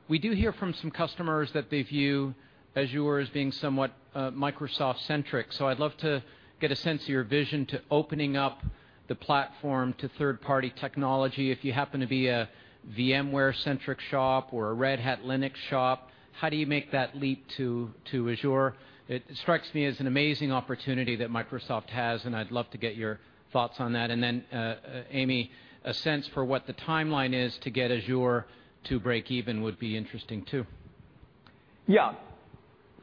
we do hear from some customers that they view Azure as being somewhat Microsoft-centric. I'd love to get a sense of your vision to opening up the platform to third-party technology. If you happen to be a VMware-centric shop or a Red Hat Linux shop, how do you make that leap to Azure? It strikes me as an amazing opportunity that Microsoft has, I'd love to get your thoughts on that. Then, Amy, a sense for what the timeline is to get Azure to break even would be interesting, too.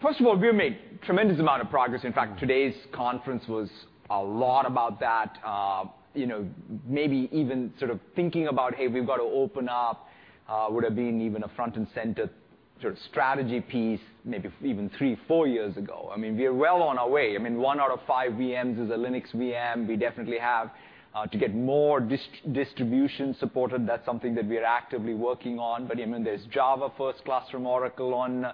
First of all, we have made tremendous amount of progress. In fact, today's conference was a lot about that. Maybe even sort of thinking about, hey, we've got to open up, would've been even a front and center sort of strategy piece, maybe even three, four years ago. We are well on our way. One out of five VMs is a Linux VM. We definitely have to get more distribution supported. That's something that we are actively working on. There's Java first class from Oracle on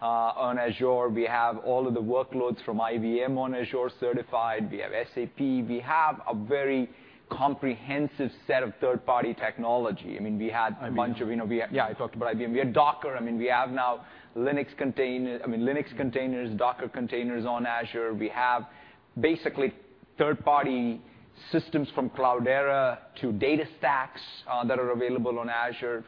Azure. We have all of the workloads from IBM on Azure certified. We have SAP. We have a very comprehensive set of third-party technology. IBM. I talked about IBM. We had Docker. We have now Linux containers, Docker containers on Azure. We have basically third-party systems from Cloudera to DataStax that are available on Azure.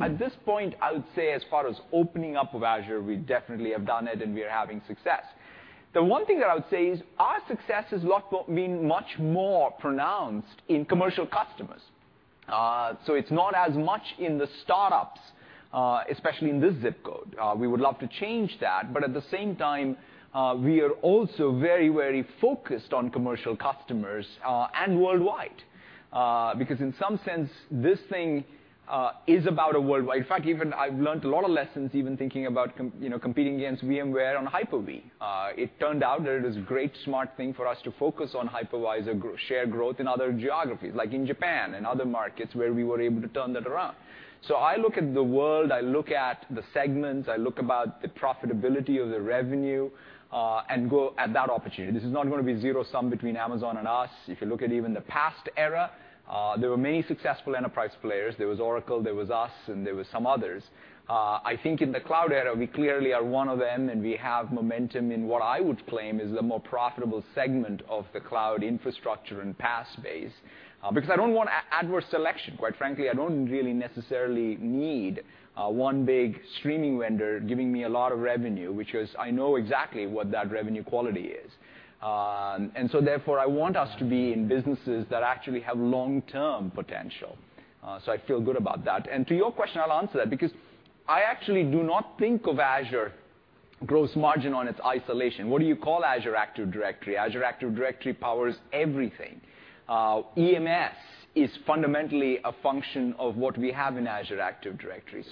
At this point, I would say as far as opening up of Azure, we definitely have done it, and we are having success. The one thing that I would say is our success has been much more pronounced in commercial customers. It's not as much in the startups, especially in this ZIP code. We would love to change that. At the same time, we are also very, very focused on commercial customers, and worldwide. Because in some sense, this thing is about a worldwide. In fact, even I've learnt a lot of lessons even thinking about competing against VMware on Hyper-V. It turned out that it is a great, smart thing for us to focus on hypervisor shared growth in other geographies, like in Japan and other markets where we were able to turn that around. I look at the world, I look at the segments, I look about the profitability of the revenue, and go at that opportunity. This is not gonna be zero sum between Amazon and us. If you look at even the past era, there were many successful enterprise players. There was Oracle, there was us, and there was some others. I think in the cloud era, we clearly are one of them, and we have momentum in what I would claim is the more profitable segment of the cloud infrastructure and PaaS space. I don't want adverse selection. Quite frankly, I don't really necessarily need one big streaming vendor giving me a lot of revenue, which is, I know exactly what that revenue quality is. Therefore, I want us to be in businesses that actually have long-term potential. I feel good about that. To your question, I'll answer that because I actually do not think of Azure gross margin on its isolation. What do you call Azure Active Directory? Azure Active Directory powers everything. EMS is fundamentally a function of what we have in Azure Active Directory.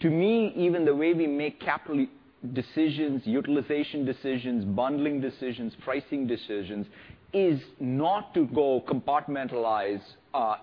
To me, even the way we make capital decisions, utilization decisions, bundling decisions, pricing decisions, is not to go compartmentalize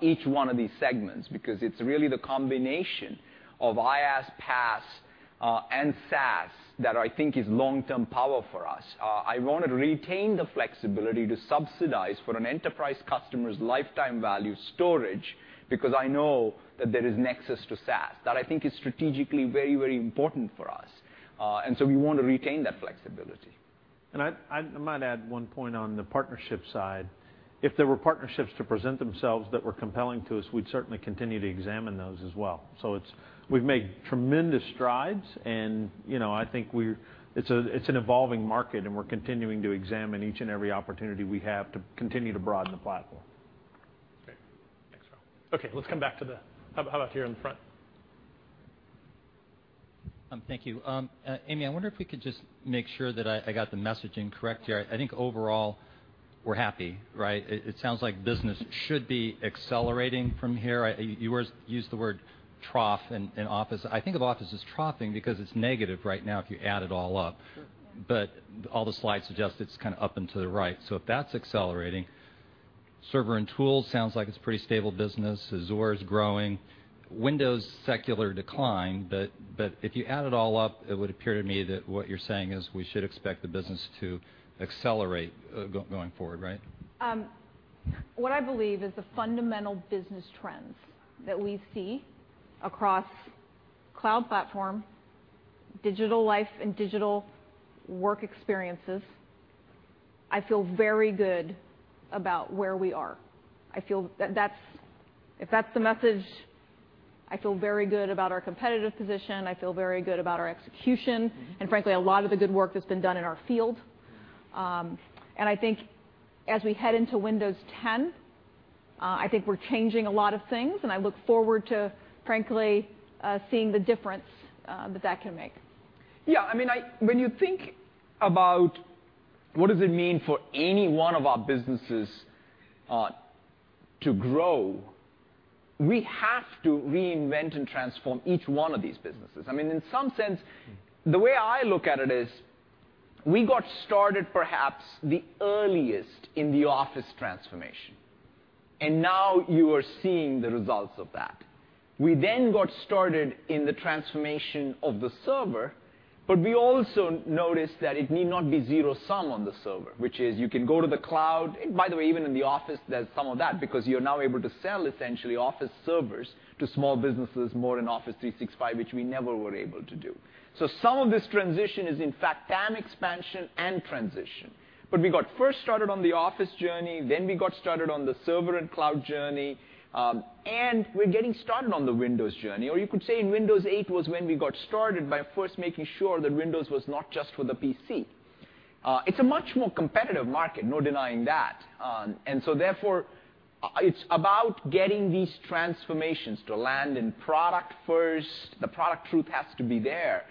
each one of these segments because it's really the combination of IaaS, PaaS, and SaaS that I think is long-term power for us. I want to retain the flexibility to subsidize for an enterprise customer's lifetime value storage because I know that there is nexus to SaaS. That I think is strategically very, very important for us. We want to retain that flexibility. I might add one point on the partnership side. If there were partnerships to present themselves that were compelling to us, we'd certainly continue to examine those as well. We've made tremendous strides, and I think it's an evolving market, and we're continuing to examine each and every opportunity we have to continue to broaden the platform. Great. Thanks, Karl. How about here in the front? Thank you. Amy, I wonder if we could just make sure that I got the messaging correct here. I think overall we're happy. Right? It sounds like business should be accelerating from here. You used the word trough in Office. I think of Office as troughing because it's negative right now if you add it all up. Sure. Yeah. All the slides suggest it's kind of up and to the right. If that's accelerating, Server and Tools sounds like it's pretty stable business. Azure is growing. Windows secular decline, but if you add it all up, it would appear to me that what you're saying is we should expect the business to accelerate going forward, right? What I believe is the fundamental business trends that we see across cloud platform, digital life, and digital work experiences, I feel very good about where we are. If that's the message, I feel very good about our competitive position, I feel very good about our execution. Frankly, a lot of the good work that's been done in our field. I think as we head into Windows 10, I think we're changing a lot of things and I look forward to, frankly, seeing the difference that can make. Yeah, when you think about what does it mean for any one of our businesses to grow, we have to reinvent and transform each one of these businesses. In some sense, the way I look at it is we got started perhaps the earliest in the Office transformation, and now you are seeing the results of that. We then got started in the transformation of the server, but we also noticed that it need not be zero sum on the server, which is you can go to the cloud, by the way, even in the office, there's some of that because you're now able to sell essentially Office servers to small businesses more in Office 365, which we never were able to do. Some of this transition is in fact TAM expansion and transition. We got first started on the Office journey, then we got started on the server and cloud journey, and we're getting started on the Windows journey. Or you could say in Windows 8 was when we got started by first making sure that Windows was not just for the PC. It's a much more competitive market, no denying that. Therefore it's about getting these transformations to land in product first. The product truth has to be there,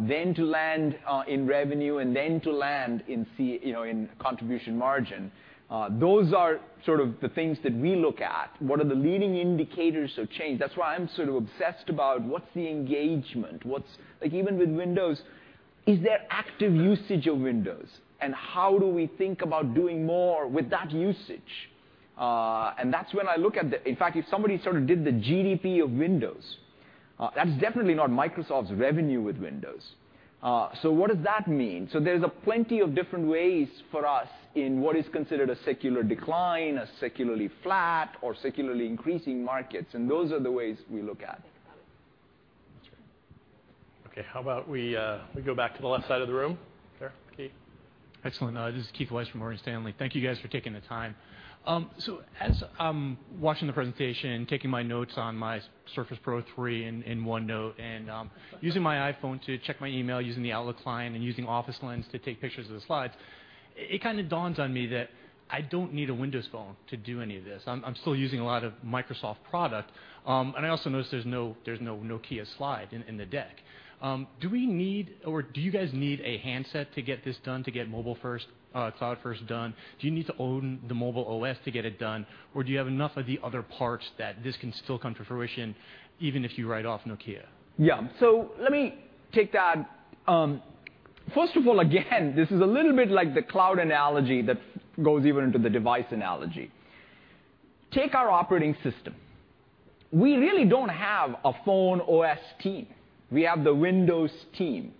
then to land in revenue and then to land in contribution margin. Those are sort of the things that we look at. What are the leading indicators of change? That's why I'm sort of obsessed about what's the engagement. Like even with Windows, is there active usage of Windows, and how do we think about doing more with that usage? That's when I look at the in fact, if somebody sort of did the GDP of Windows, that's definitely not Microsoft's revenue with Windows. What does that mean? There's plenty of different ways for us in what is considered a secular decline, a secularly flat, or secularly increasing markets, and those are the ways we look at. Think about it. That's great. Okay. How about we go back to the left side of the room? Sure, Keith. Excellent. This is Keith Weiss from Morgan Stanley. Thank you guys for taking the time. As I'm watching the presentation, taking my notes on my Surface Pro 3 in OneNote, and using my iPhone to check my email, using the Outlook client, and using Office Lens to take pictures of the slides, it kind of dawns on me that I don't need a Windows phone to do any of this. I'm still using a lot of Microsoft product. I also notice there's no Nokia slide in the deck. Do we need, or do you guys need a handset to get this done, to get mobile first, cloud first done? Do you need to own the mobile OS to get it done, or do you have enough of the other parts that this can still come to fruition even if you write off Nokia? Yeah. Let me take that. First of all, again, this is a little bit like the cloud analogy that goes even into the device analogy. Take our operating system. We really don't have a phone OS team. We have the Windows team.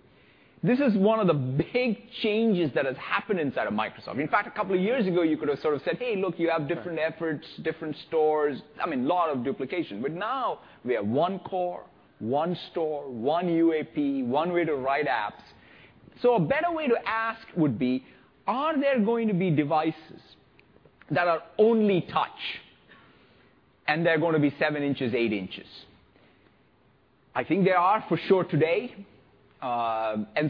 This is one of the big changes that has happened inside of Microsoft. In fact, a couple of years ago, you could have sort of said, "Hey, look, you have different efforts, different stores." I mean, lot of duplication. Now we have one core, one store, one UAP, one way to write apps. A better way to ask would be, are there going to be devices that are only touch and they're going to be seven inches, eight inches? I think there are for sure today.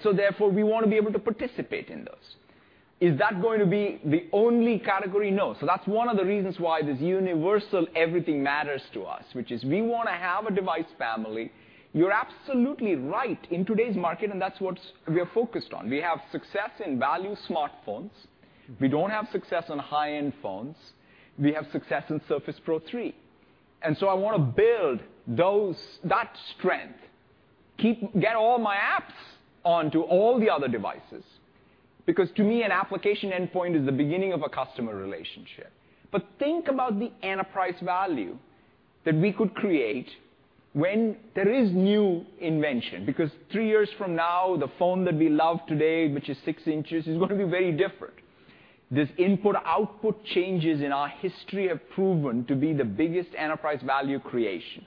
Therefore we want to be able to participate in those. Is that going to be the only category? No. That's one of the reasons why this universal everything matters to us, which is we want to have a device family. You're absolutely right. In today's market, that's what we are focused on. We have success in value smartphones. We don't have success on high-end phones. We have success in Surface Pro 3, I want to build that strength, get all my apps onto all the other devices, because to me, an application endpoint is the beginning of a customer relationship. Think about the enterprise value that we could create when there is new invention, because three years from now, the phone that we love today, which is six inches, is going to be very different. These input-output changes in our history have proven to be the biggest enterprise value creation,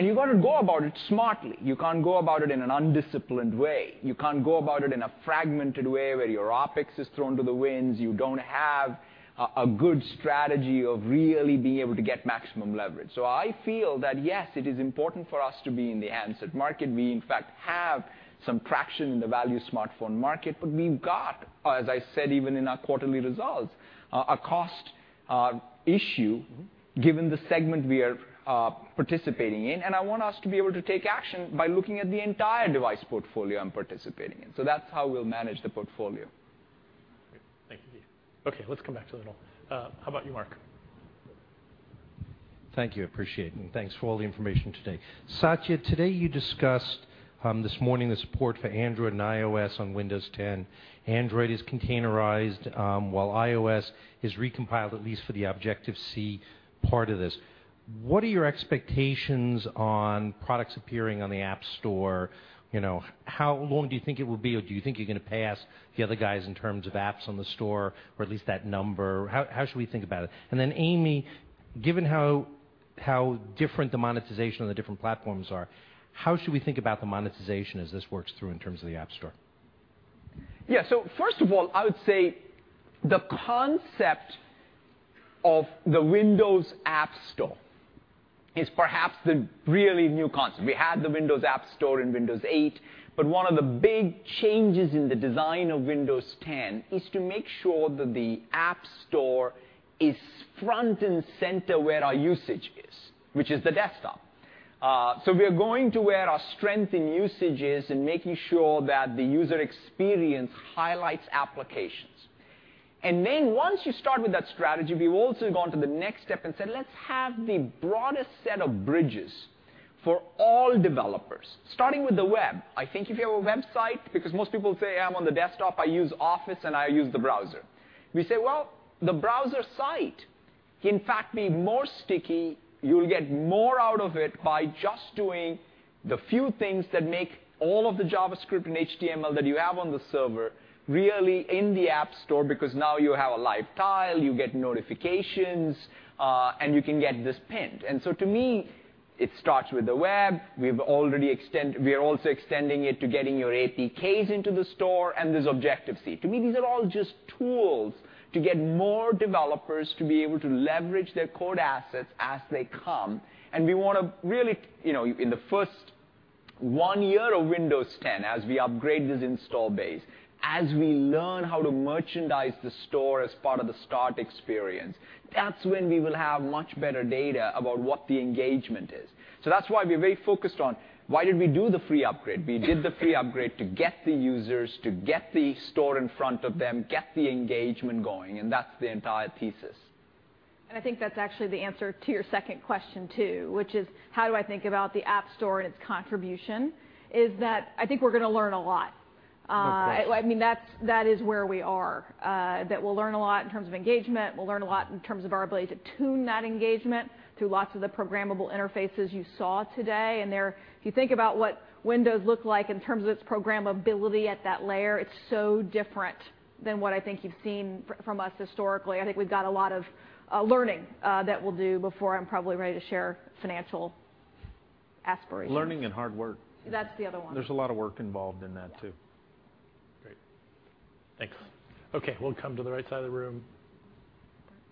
you got to go about it smartly. You can't go about it in an undisciplined way. You can't go about it in a fragmented way where your OpEx is thrown to the winds. You don't have a good strategy of really being able to get maximum leverage. I feel that, yes, it is important for us to be in the handset market. We, in fact, have some traction in the value smartphone market. We've got, as I said, even in our quarterly results, a cost issue given the segment we are participating in, I want us to be able to take action by looking at the entire device portfolio I'm participating in. That's how we'll manage the portfolio. Great. Thank you. Let's come back to the normal. How about you, Mark? Thank you, appreciate it, thanks for all the information today. Satya, today you discussed this morning the support for Android and iOS on Windows 10. Android is containerized, while iOS is recompiled at least for the Objective-C part of this. What are your expectations on products appearing on the App Store? How long do you think it will be, or do you think you're going to pass the other guys in terms of apps on the store, or at least that number? How should we think about it? Amy, given how different the monetization on the different platforms are, how should we think about the monetization as this works through in terms of the App Store? Yeah. First of all, I would say the concept of the Windows App Store is perhaps the really new concept. We had the Windows App Store in Windows 8, but one of the big changes in the design of Windows 10 is to make sure that the App Store is front and center where our usage is, which is the desktop. We are going to where our strength in usage is and making sure that the user experience highlights applications. Once you start with that strategy, we've also gone to the next step and said, "Let's have the broadest set of bridges for all developers, starting with the web." I think if you have a website, because most people say, "I'm on the desktop, I use Office, and I use the browser." We say, "Well, the browser site can in fact be stickier. You'll get more out of it by just doing the few things that make all of the JavaScript and HTML that you have on the server really in the App Store, because now you have a live tile, you get notifications, and you can get this pinned." To me, it starts with the web. We are also extending it to getting your APKs into the store and this Objective-C. To me, these are all just tools to get more developers to be able to leverage their code assets as they come. We want to really, in the first one year of Windows 10, as we upgrade this install base, as we learn how to merchandise the store as part of the Start experience, that's when we will have much better data about what the engagement is. That's why we're very focused on why did we do the free upgrade. We did the free upgrade to get the users, to get the store in front of them, get the engagement going, and that's the entire thesis. I think that's actually the answer to your second question, too, which is how do I think about the App Store and its contribution, is that I think we're going to learn a lot. Of course. That is where we are, that we'll learn a lot in terms of engagement. We'll learn a lot in terms of our ability to tune that engagement through lots of the programmable interfaces you saw today. If you think about what Windows looked like in terms of its programmability at that layer, it's so different than what I think you've seen from us historically. I think we've got a lot of learning that we'll do before I'm probably ready to share financial aspirations. Learning and hard work. That's the other one. There's a lot of work involved in that, too. Great. Thanks. Okay, we'll come to the right side of the room.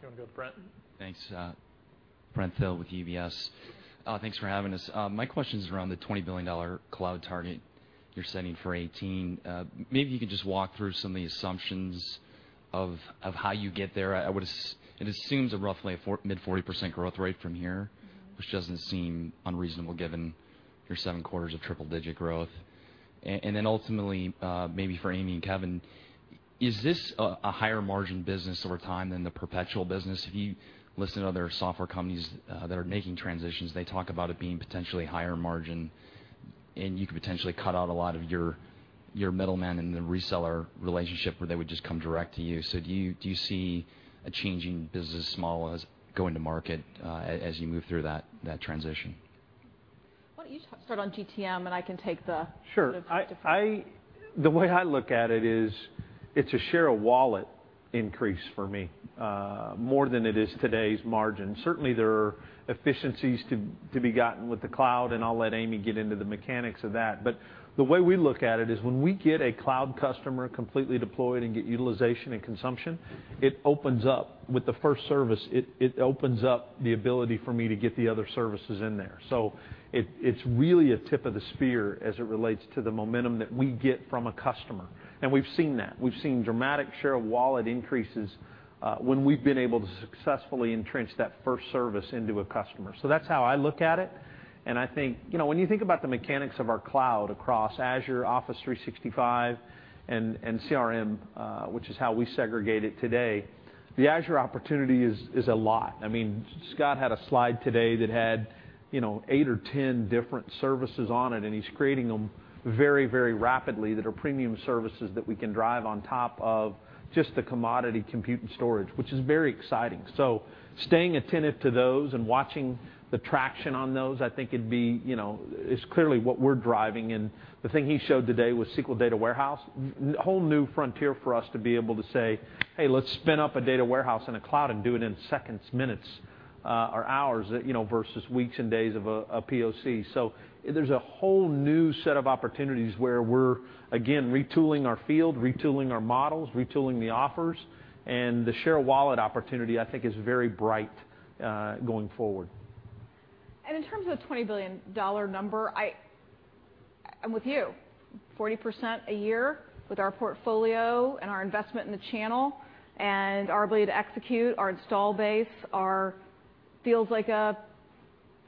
You want to go with Brent? Thanks. Brent Thill with UBS. Thanks for having us. My question is around the $20 billion cloud target you're setting for FY18. Maybe you could just walk through some of the assumptions of how you get there. It assumes a roughly mid 40% growth rate from here, which doesn't seem unreasonable given your seven quarters of triple-digit growth. Ultimately, maybe for Amy and Kevin, is this a higher margin business over time than the perpetual business? If you listen to other software companies that are making transitions, they talk about it being potentially higher margin, and you could potentially cut out a lot of your middlemen and the reseller relationship where they would just come direct to you. Do you see a changing business model as going to market, as you move through that transition? Why don't you start on GTM and I can take. Sure. The way I look at it is, it's a share of wallet increase for me, more than it is today's margin. Certainly, there are efficiencies to be gotten with the cloud, and I'll let Amy get into the mechanics of that. The way we look at it is when we get a cloud customer completely deployed and get utilization and consumption, it opens up with the first service. It opens up the ability for me to get the other services in there. It's really a tip of the spear as it relates to the momentum that we get from a customer, and we've seen that. We've seen dramatic share of wallet increases when we've been able to successfully entrench that first service into a customer. That's how I look at it, and I think when you think about the mechanics of our cloud across Azure, Office 365, and CRM, which is how we segregate it today, the Azure opportunity is a lot. Scott had a slide today that had eight or 10 different services on it, and he's creating them very rapidly that are premium services that we can drive on top of just the commodity compute and storage, which is very exciting. Staying attentive to those and watching the traction on those, I think it's clearly what we're driving. The thing he showed today with SQL Data Warehouse, whole new frontier for us to be able to say, "Hey, let's spin up a data warehouse in a cloud and do it in seconds, minutes, or hours versus weeks and days of a POC." There's a whole new set of opportunities where we're, again, retooling our field, retooling our models, retooling the offers, and the share wallet opportunity, I think, is very bright going forward. In terms of the $20 billion number, I'm with you. 40% a year with our portfolio and our investment in the channel and our ability to execute, our install base, feels like a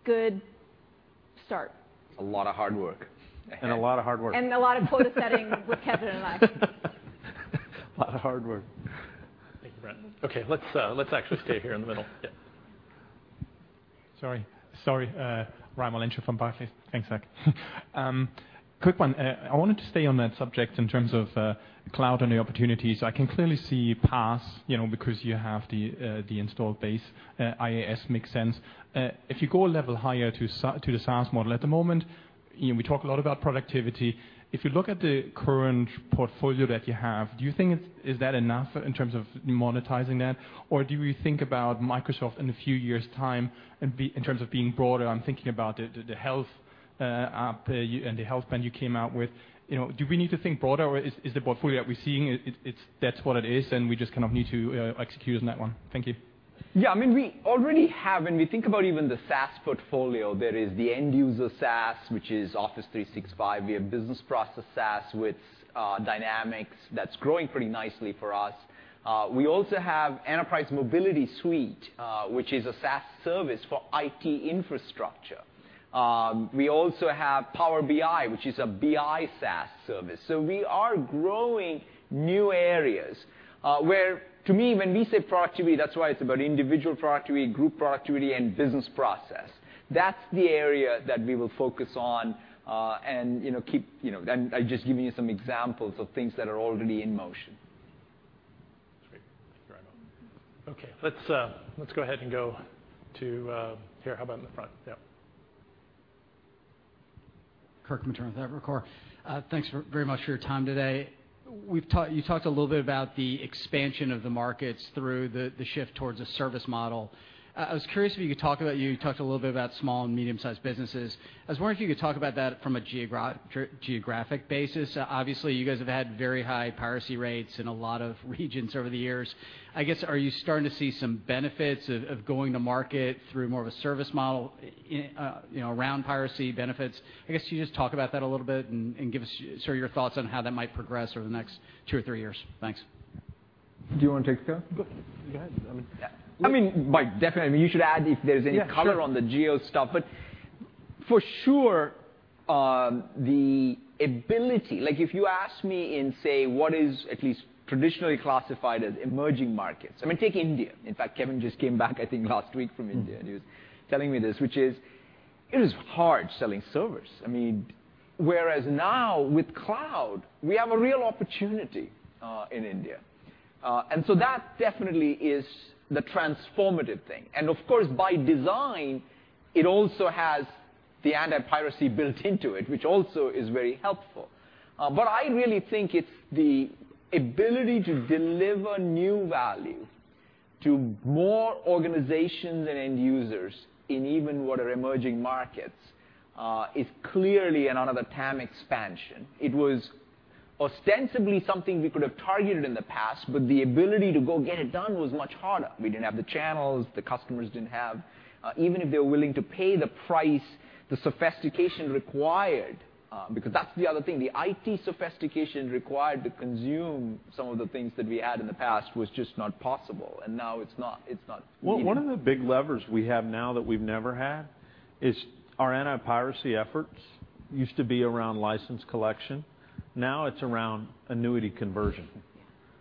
good start. It's a lot of hard work. A lot of hard work. A lot of quota setting with Kevin and I. A lot of hard work. Thank you, Brent. Let's actually stay here in the middle. Yeah. Sorry. Raimo Lenschow from Barclays. Thanks, Suh. Quick one. I wanted to stay on that subject in terms of cloud and the opportunities. I can clearly see PaaS, because you have the install base. IaaS makes sense. If you go a level higher to the SaaS model at the moment, we talk a lot about productivity. If you look at the current portfolio that you have, do you think is that enough in terms of monetizing that? Or do you think about Microsoft in a few years' time in terms of being broader? I'm thinking about the health app and the health plan you came out with. Do we need to think broader, or is the portfolio that we're seeing, that's what it is, and we just kind of need to execute on that one? Thank you. Yeah, we already have, when we think about even the SaaS portfolio, there is the end user SaaS, which is Office 365. We have business process SaaS with Dynamics. That's growing pretty nicely for us. We also have Enterprise Mobility Suite, which is a SaaS service for IT infrastructure. We also have Power BI, which is a BI SaaS service. We are growing new areas, where to me, when we say productivity, that's why it's about individual productivity, group productivity, and business process. That's the area that we will focus on. I'm just giving you some examples of things that are already in motion. Great. Thank you, Raimo. Okay, let's go ahead and go to here. How about in the front? Yeah. Kirk Materne with Evercore. Thanks very much for your time today. You talked a little bit about the expansion of the markets through the shift towards a service model. I was curious if you could talk about, you talked a little bit about small and medium-sized businesses. I was wondering if you could talk about that from a geographic basis. Obviously, you guys have had very high piracy rates in a lot of regions over the years. I guess, are you starting to see some benefits of going to market through more of a service model around piracy benefits? I guess you just talk about that a little bit and give us your thoughts on how that might progress over the next two or three years. Thanks. Do you want to take this, Satya? Go ahead. Definitely, you should add if there's any color on the geo stuff. For sure, the ability, if you ask me in, say, what is at least traditionally classified as emerging markets, take India. In fact, Kevin just came back, I think, last week from India, and he was telling me this, which is, it is hard selling servers. Whereas now with cloud, we have a real opportunity in India. That definitely is the transformative thing. Of course, by design, it also has the anti-piracy built into it, which also is very helpful. I really think it's the ability to deliver new value to more organizations and end users in even what are emerging markets is clearly another TAM expansion. It was ostensibly something we could have targeted in the past, but the ability to go get it done was much harder. We didn't have the channels, the customers didn't have, even if they were willing to pay the price, the sophistication required, because that's the other thing. The IT sophistication required to consume some of the things that we had in the past was just not possible, and now it's not. One of the big levers we have now that we've never had is our anti-piracy efforts used to be around license collection. Now it's around annuity conversion,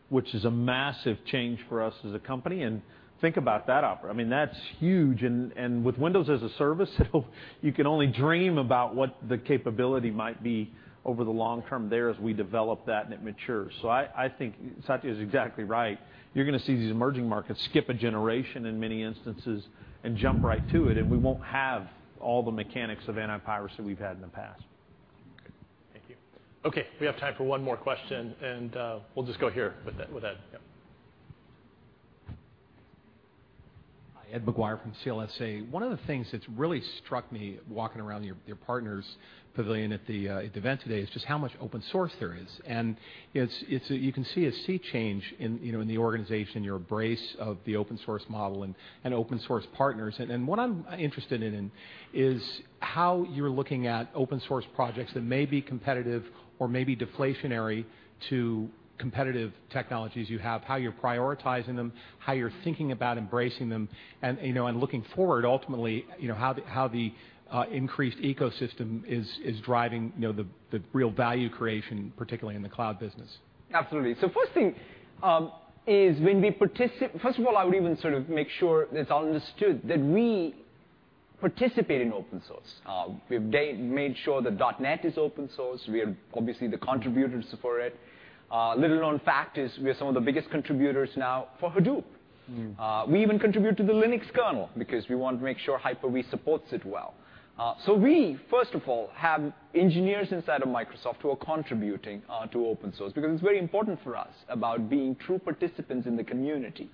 which is a massive change for us as a company, and think about that opera. That's huge, and with Windows as a service, you can only dream about what the capability might be over the long term there as we develop that and it matures. I think Satya is exactly right. You're going to see these emerging markets skip a generation in many instances and jump right to it, and we won't have all the mechanics of anti-piracy we've had in the past. Thank you. We have time for one more question, and we'll just go here with Ed. Hi. Ed Maguire from CLSA. One of the things that's really struck me walking around your partners' pavilion at the event today is just how much open source there is. You can see a sea change in the organization, your embrace of the open source model and open source partners. What I'm interested in is how you're looking at open source projects that may be competitive or may be deflationary to competitive technologies you have, how you're prioritizing them, how you're thinking about embracing them, and looking forward, ultimately, how the increased ecosystem is driving the real value creation, particularly in the cloud business. Absolutely. First of all, I would even sort of make sure that it's understood that we participate in open source. We've made sure that .NET is open source. We are obviously the contributors for it. A little known fact is we are some of the biggest contributors now for Hadoop. We even contribute to the Linux kernel because we want to make sure Hyper-V supports it well. We, first of all, have engineers inside of Microsoft who are contributing to open source because it's very important for us about being true participants in the community.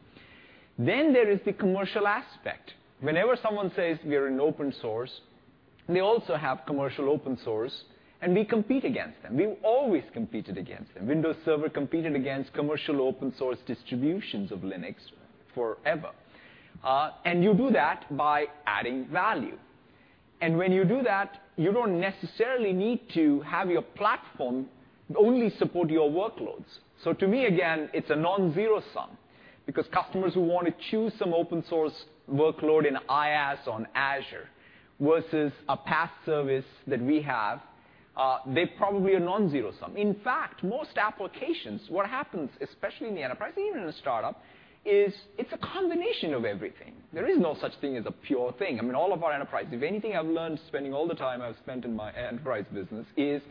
There is the commercial aspect. Whenever someone says we are in open source, they also have commercial open source, and we compete against them. We've always competed against them. Windows Server competed against commercial open source distributions of Linux forever. You do that by adding value. When you do that, you don't necessarily need to have your platform only support your workloads. To me, again, it's a non-zero sum because customers who want to choose some open source workload in IaaS on Azure versus a PaaS service that we have, they probably are non-zero sum. In fact, most applications, what happens, especially in the enterprise, even in a startup, is it's a combination of everything. There is no such thing as a pure thing. All of our enterprise, if anything I've learned spending all the time I've spent in my enterprise business is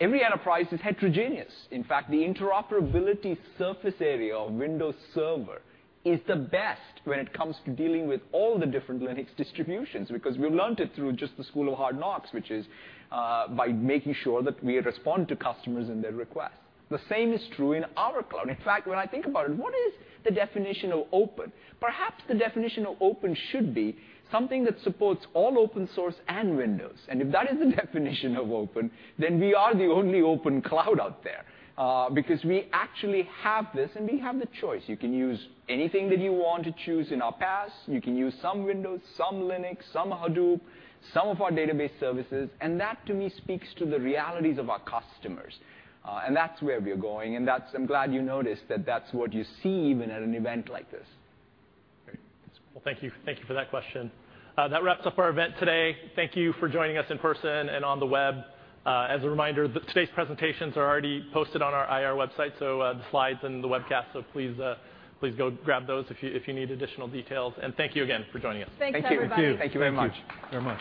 every enterprise is heterogeneous. In fact, the interoperability surface area of Windows Server is the best when it comes to dealing with all the different Linux distributions, because we've learned it through just the school of hard knocks, which is by making sure that we respond to customers and their requests. The same is true in our cloud. In fact, when I think about it, what is the definition of open? Perhaps the definition of open should be something that supports all open source and Windows. If that is the definition of open, then we are the only open cloud out there because we actually have this and we have the choice. You can use anything that you want to choose in our PaaS. You can use some Windows, some Linux, some Hadoop, some of our database services, and that to me speaks to the realities of our customers. That's where we're going, and I'm glad you noticed that that's what you see even at an event like this. Great. Thank you for that question. That wraps up our event today. Thank you for joining us in person and on the web. As a reminder, today's presentations are already posted on our IR website, the slides and the webcast. Please go grab those if you need additional details, and thank you again for joining us. Thanks everybody. Thank you. Thank you. Thank you very much. Very much.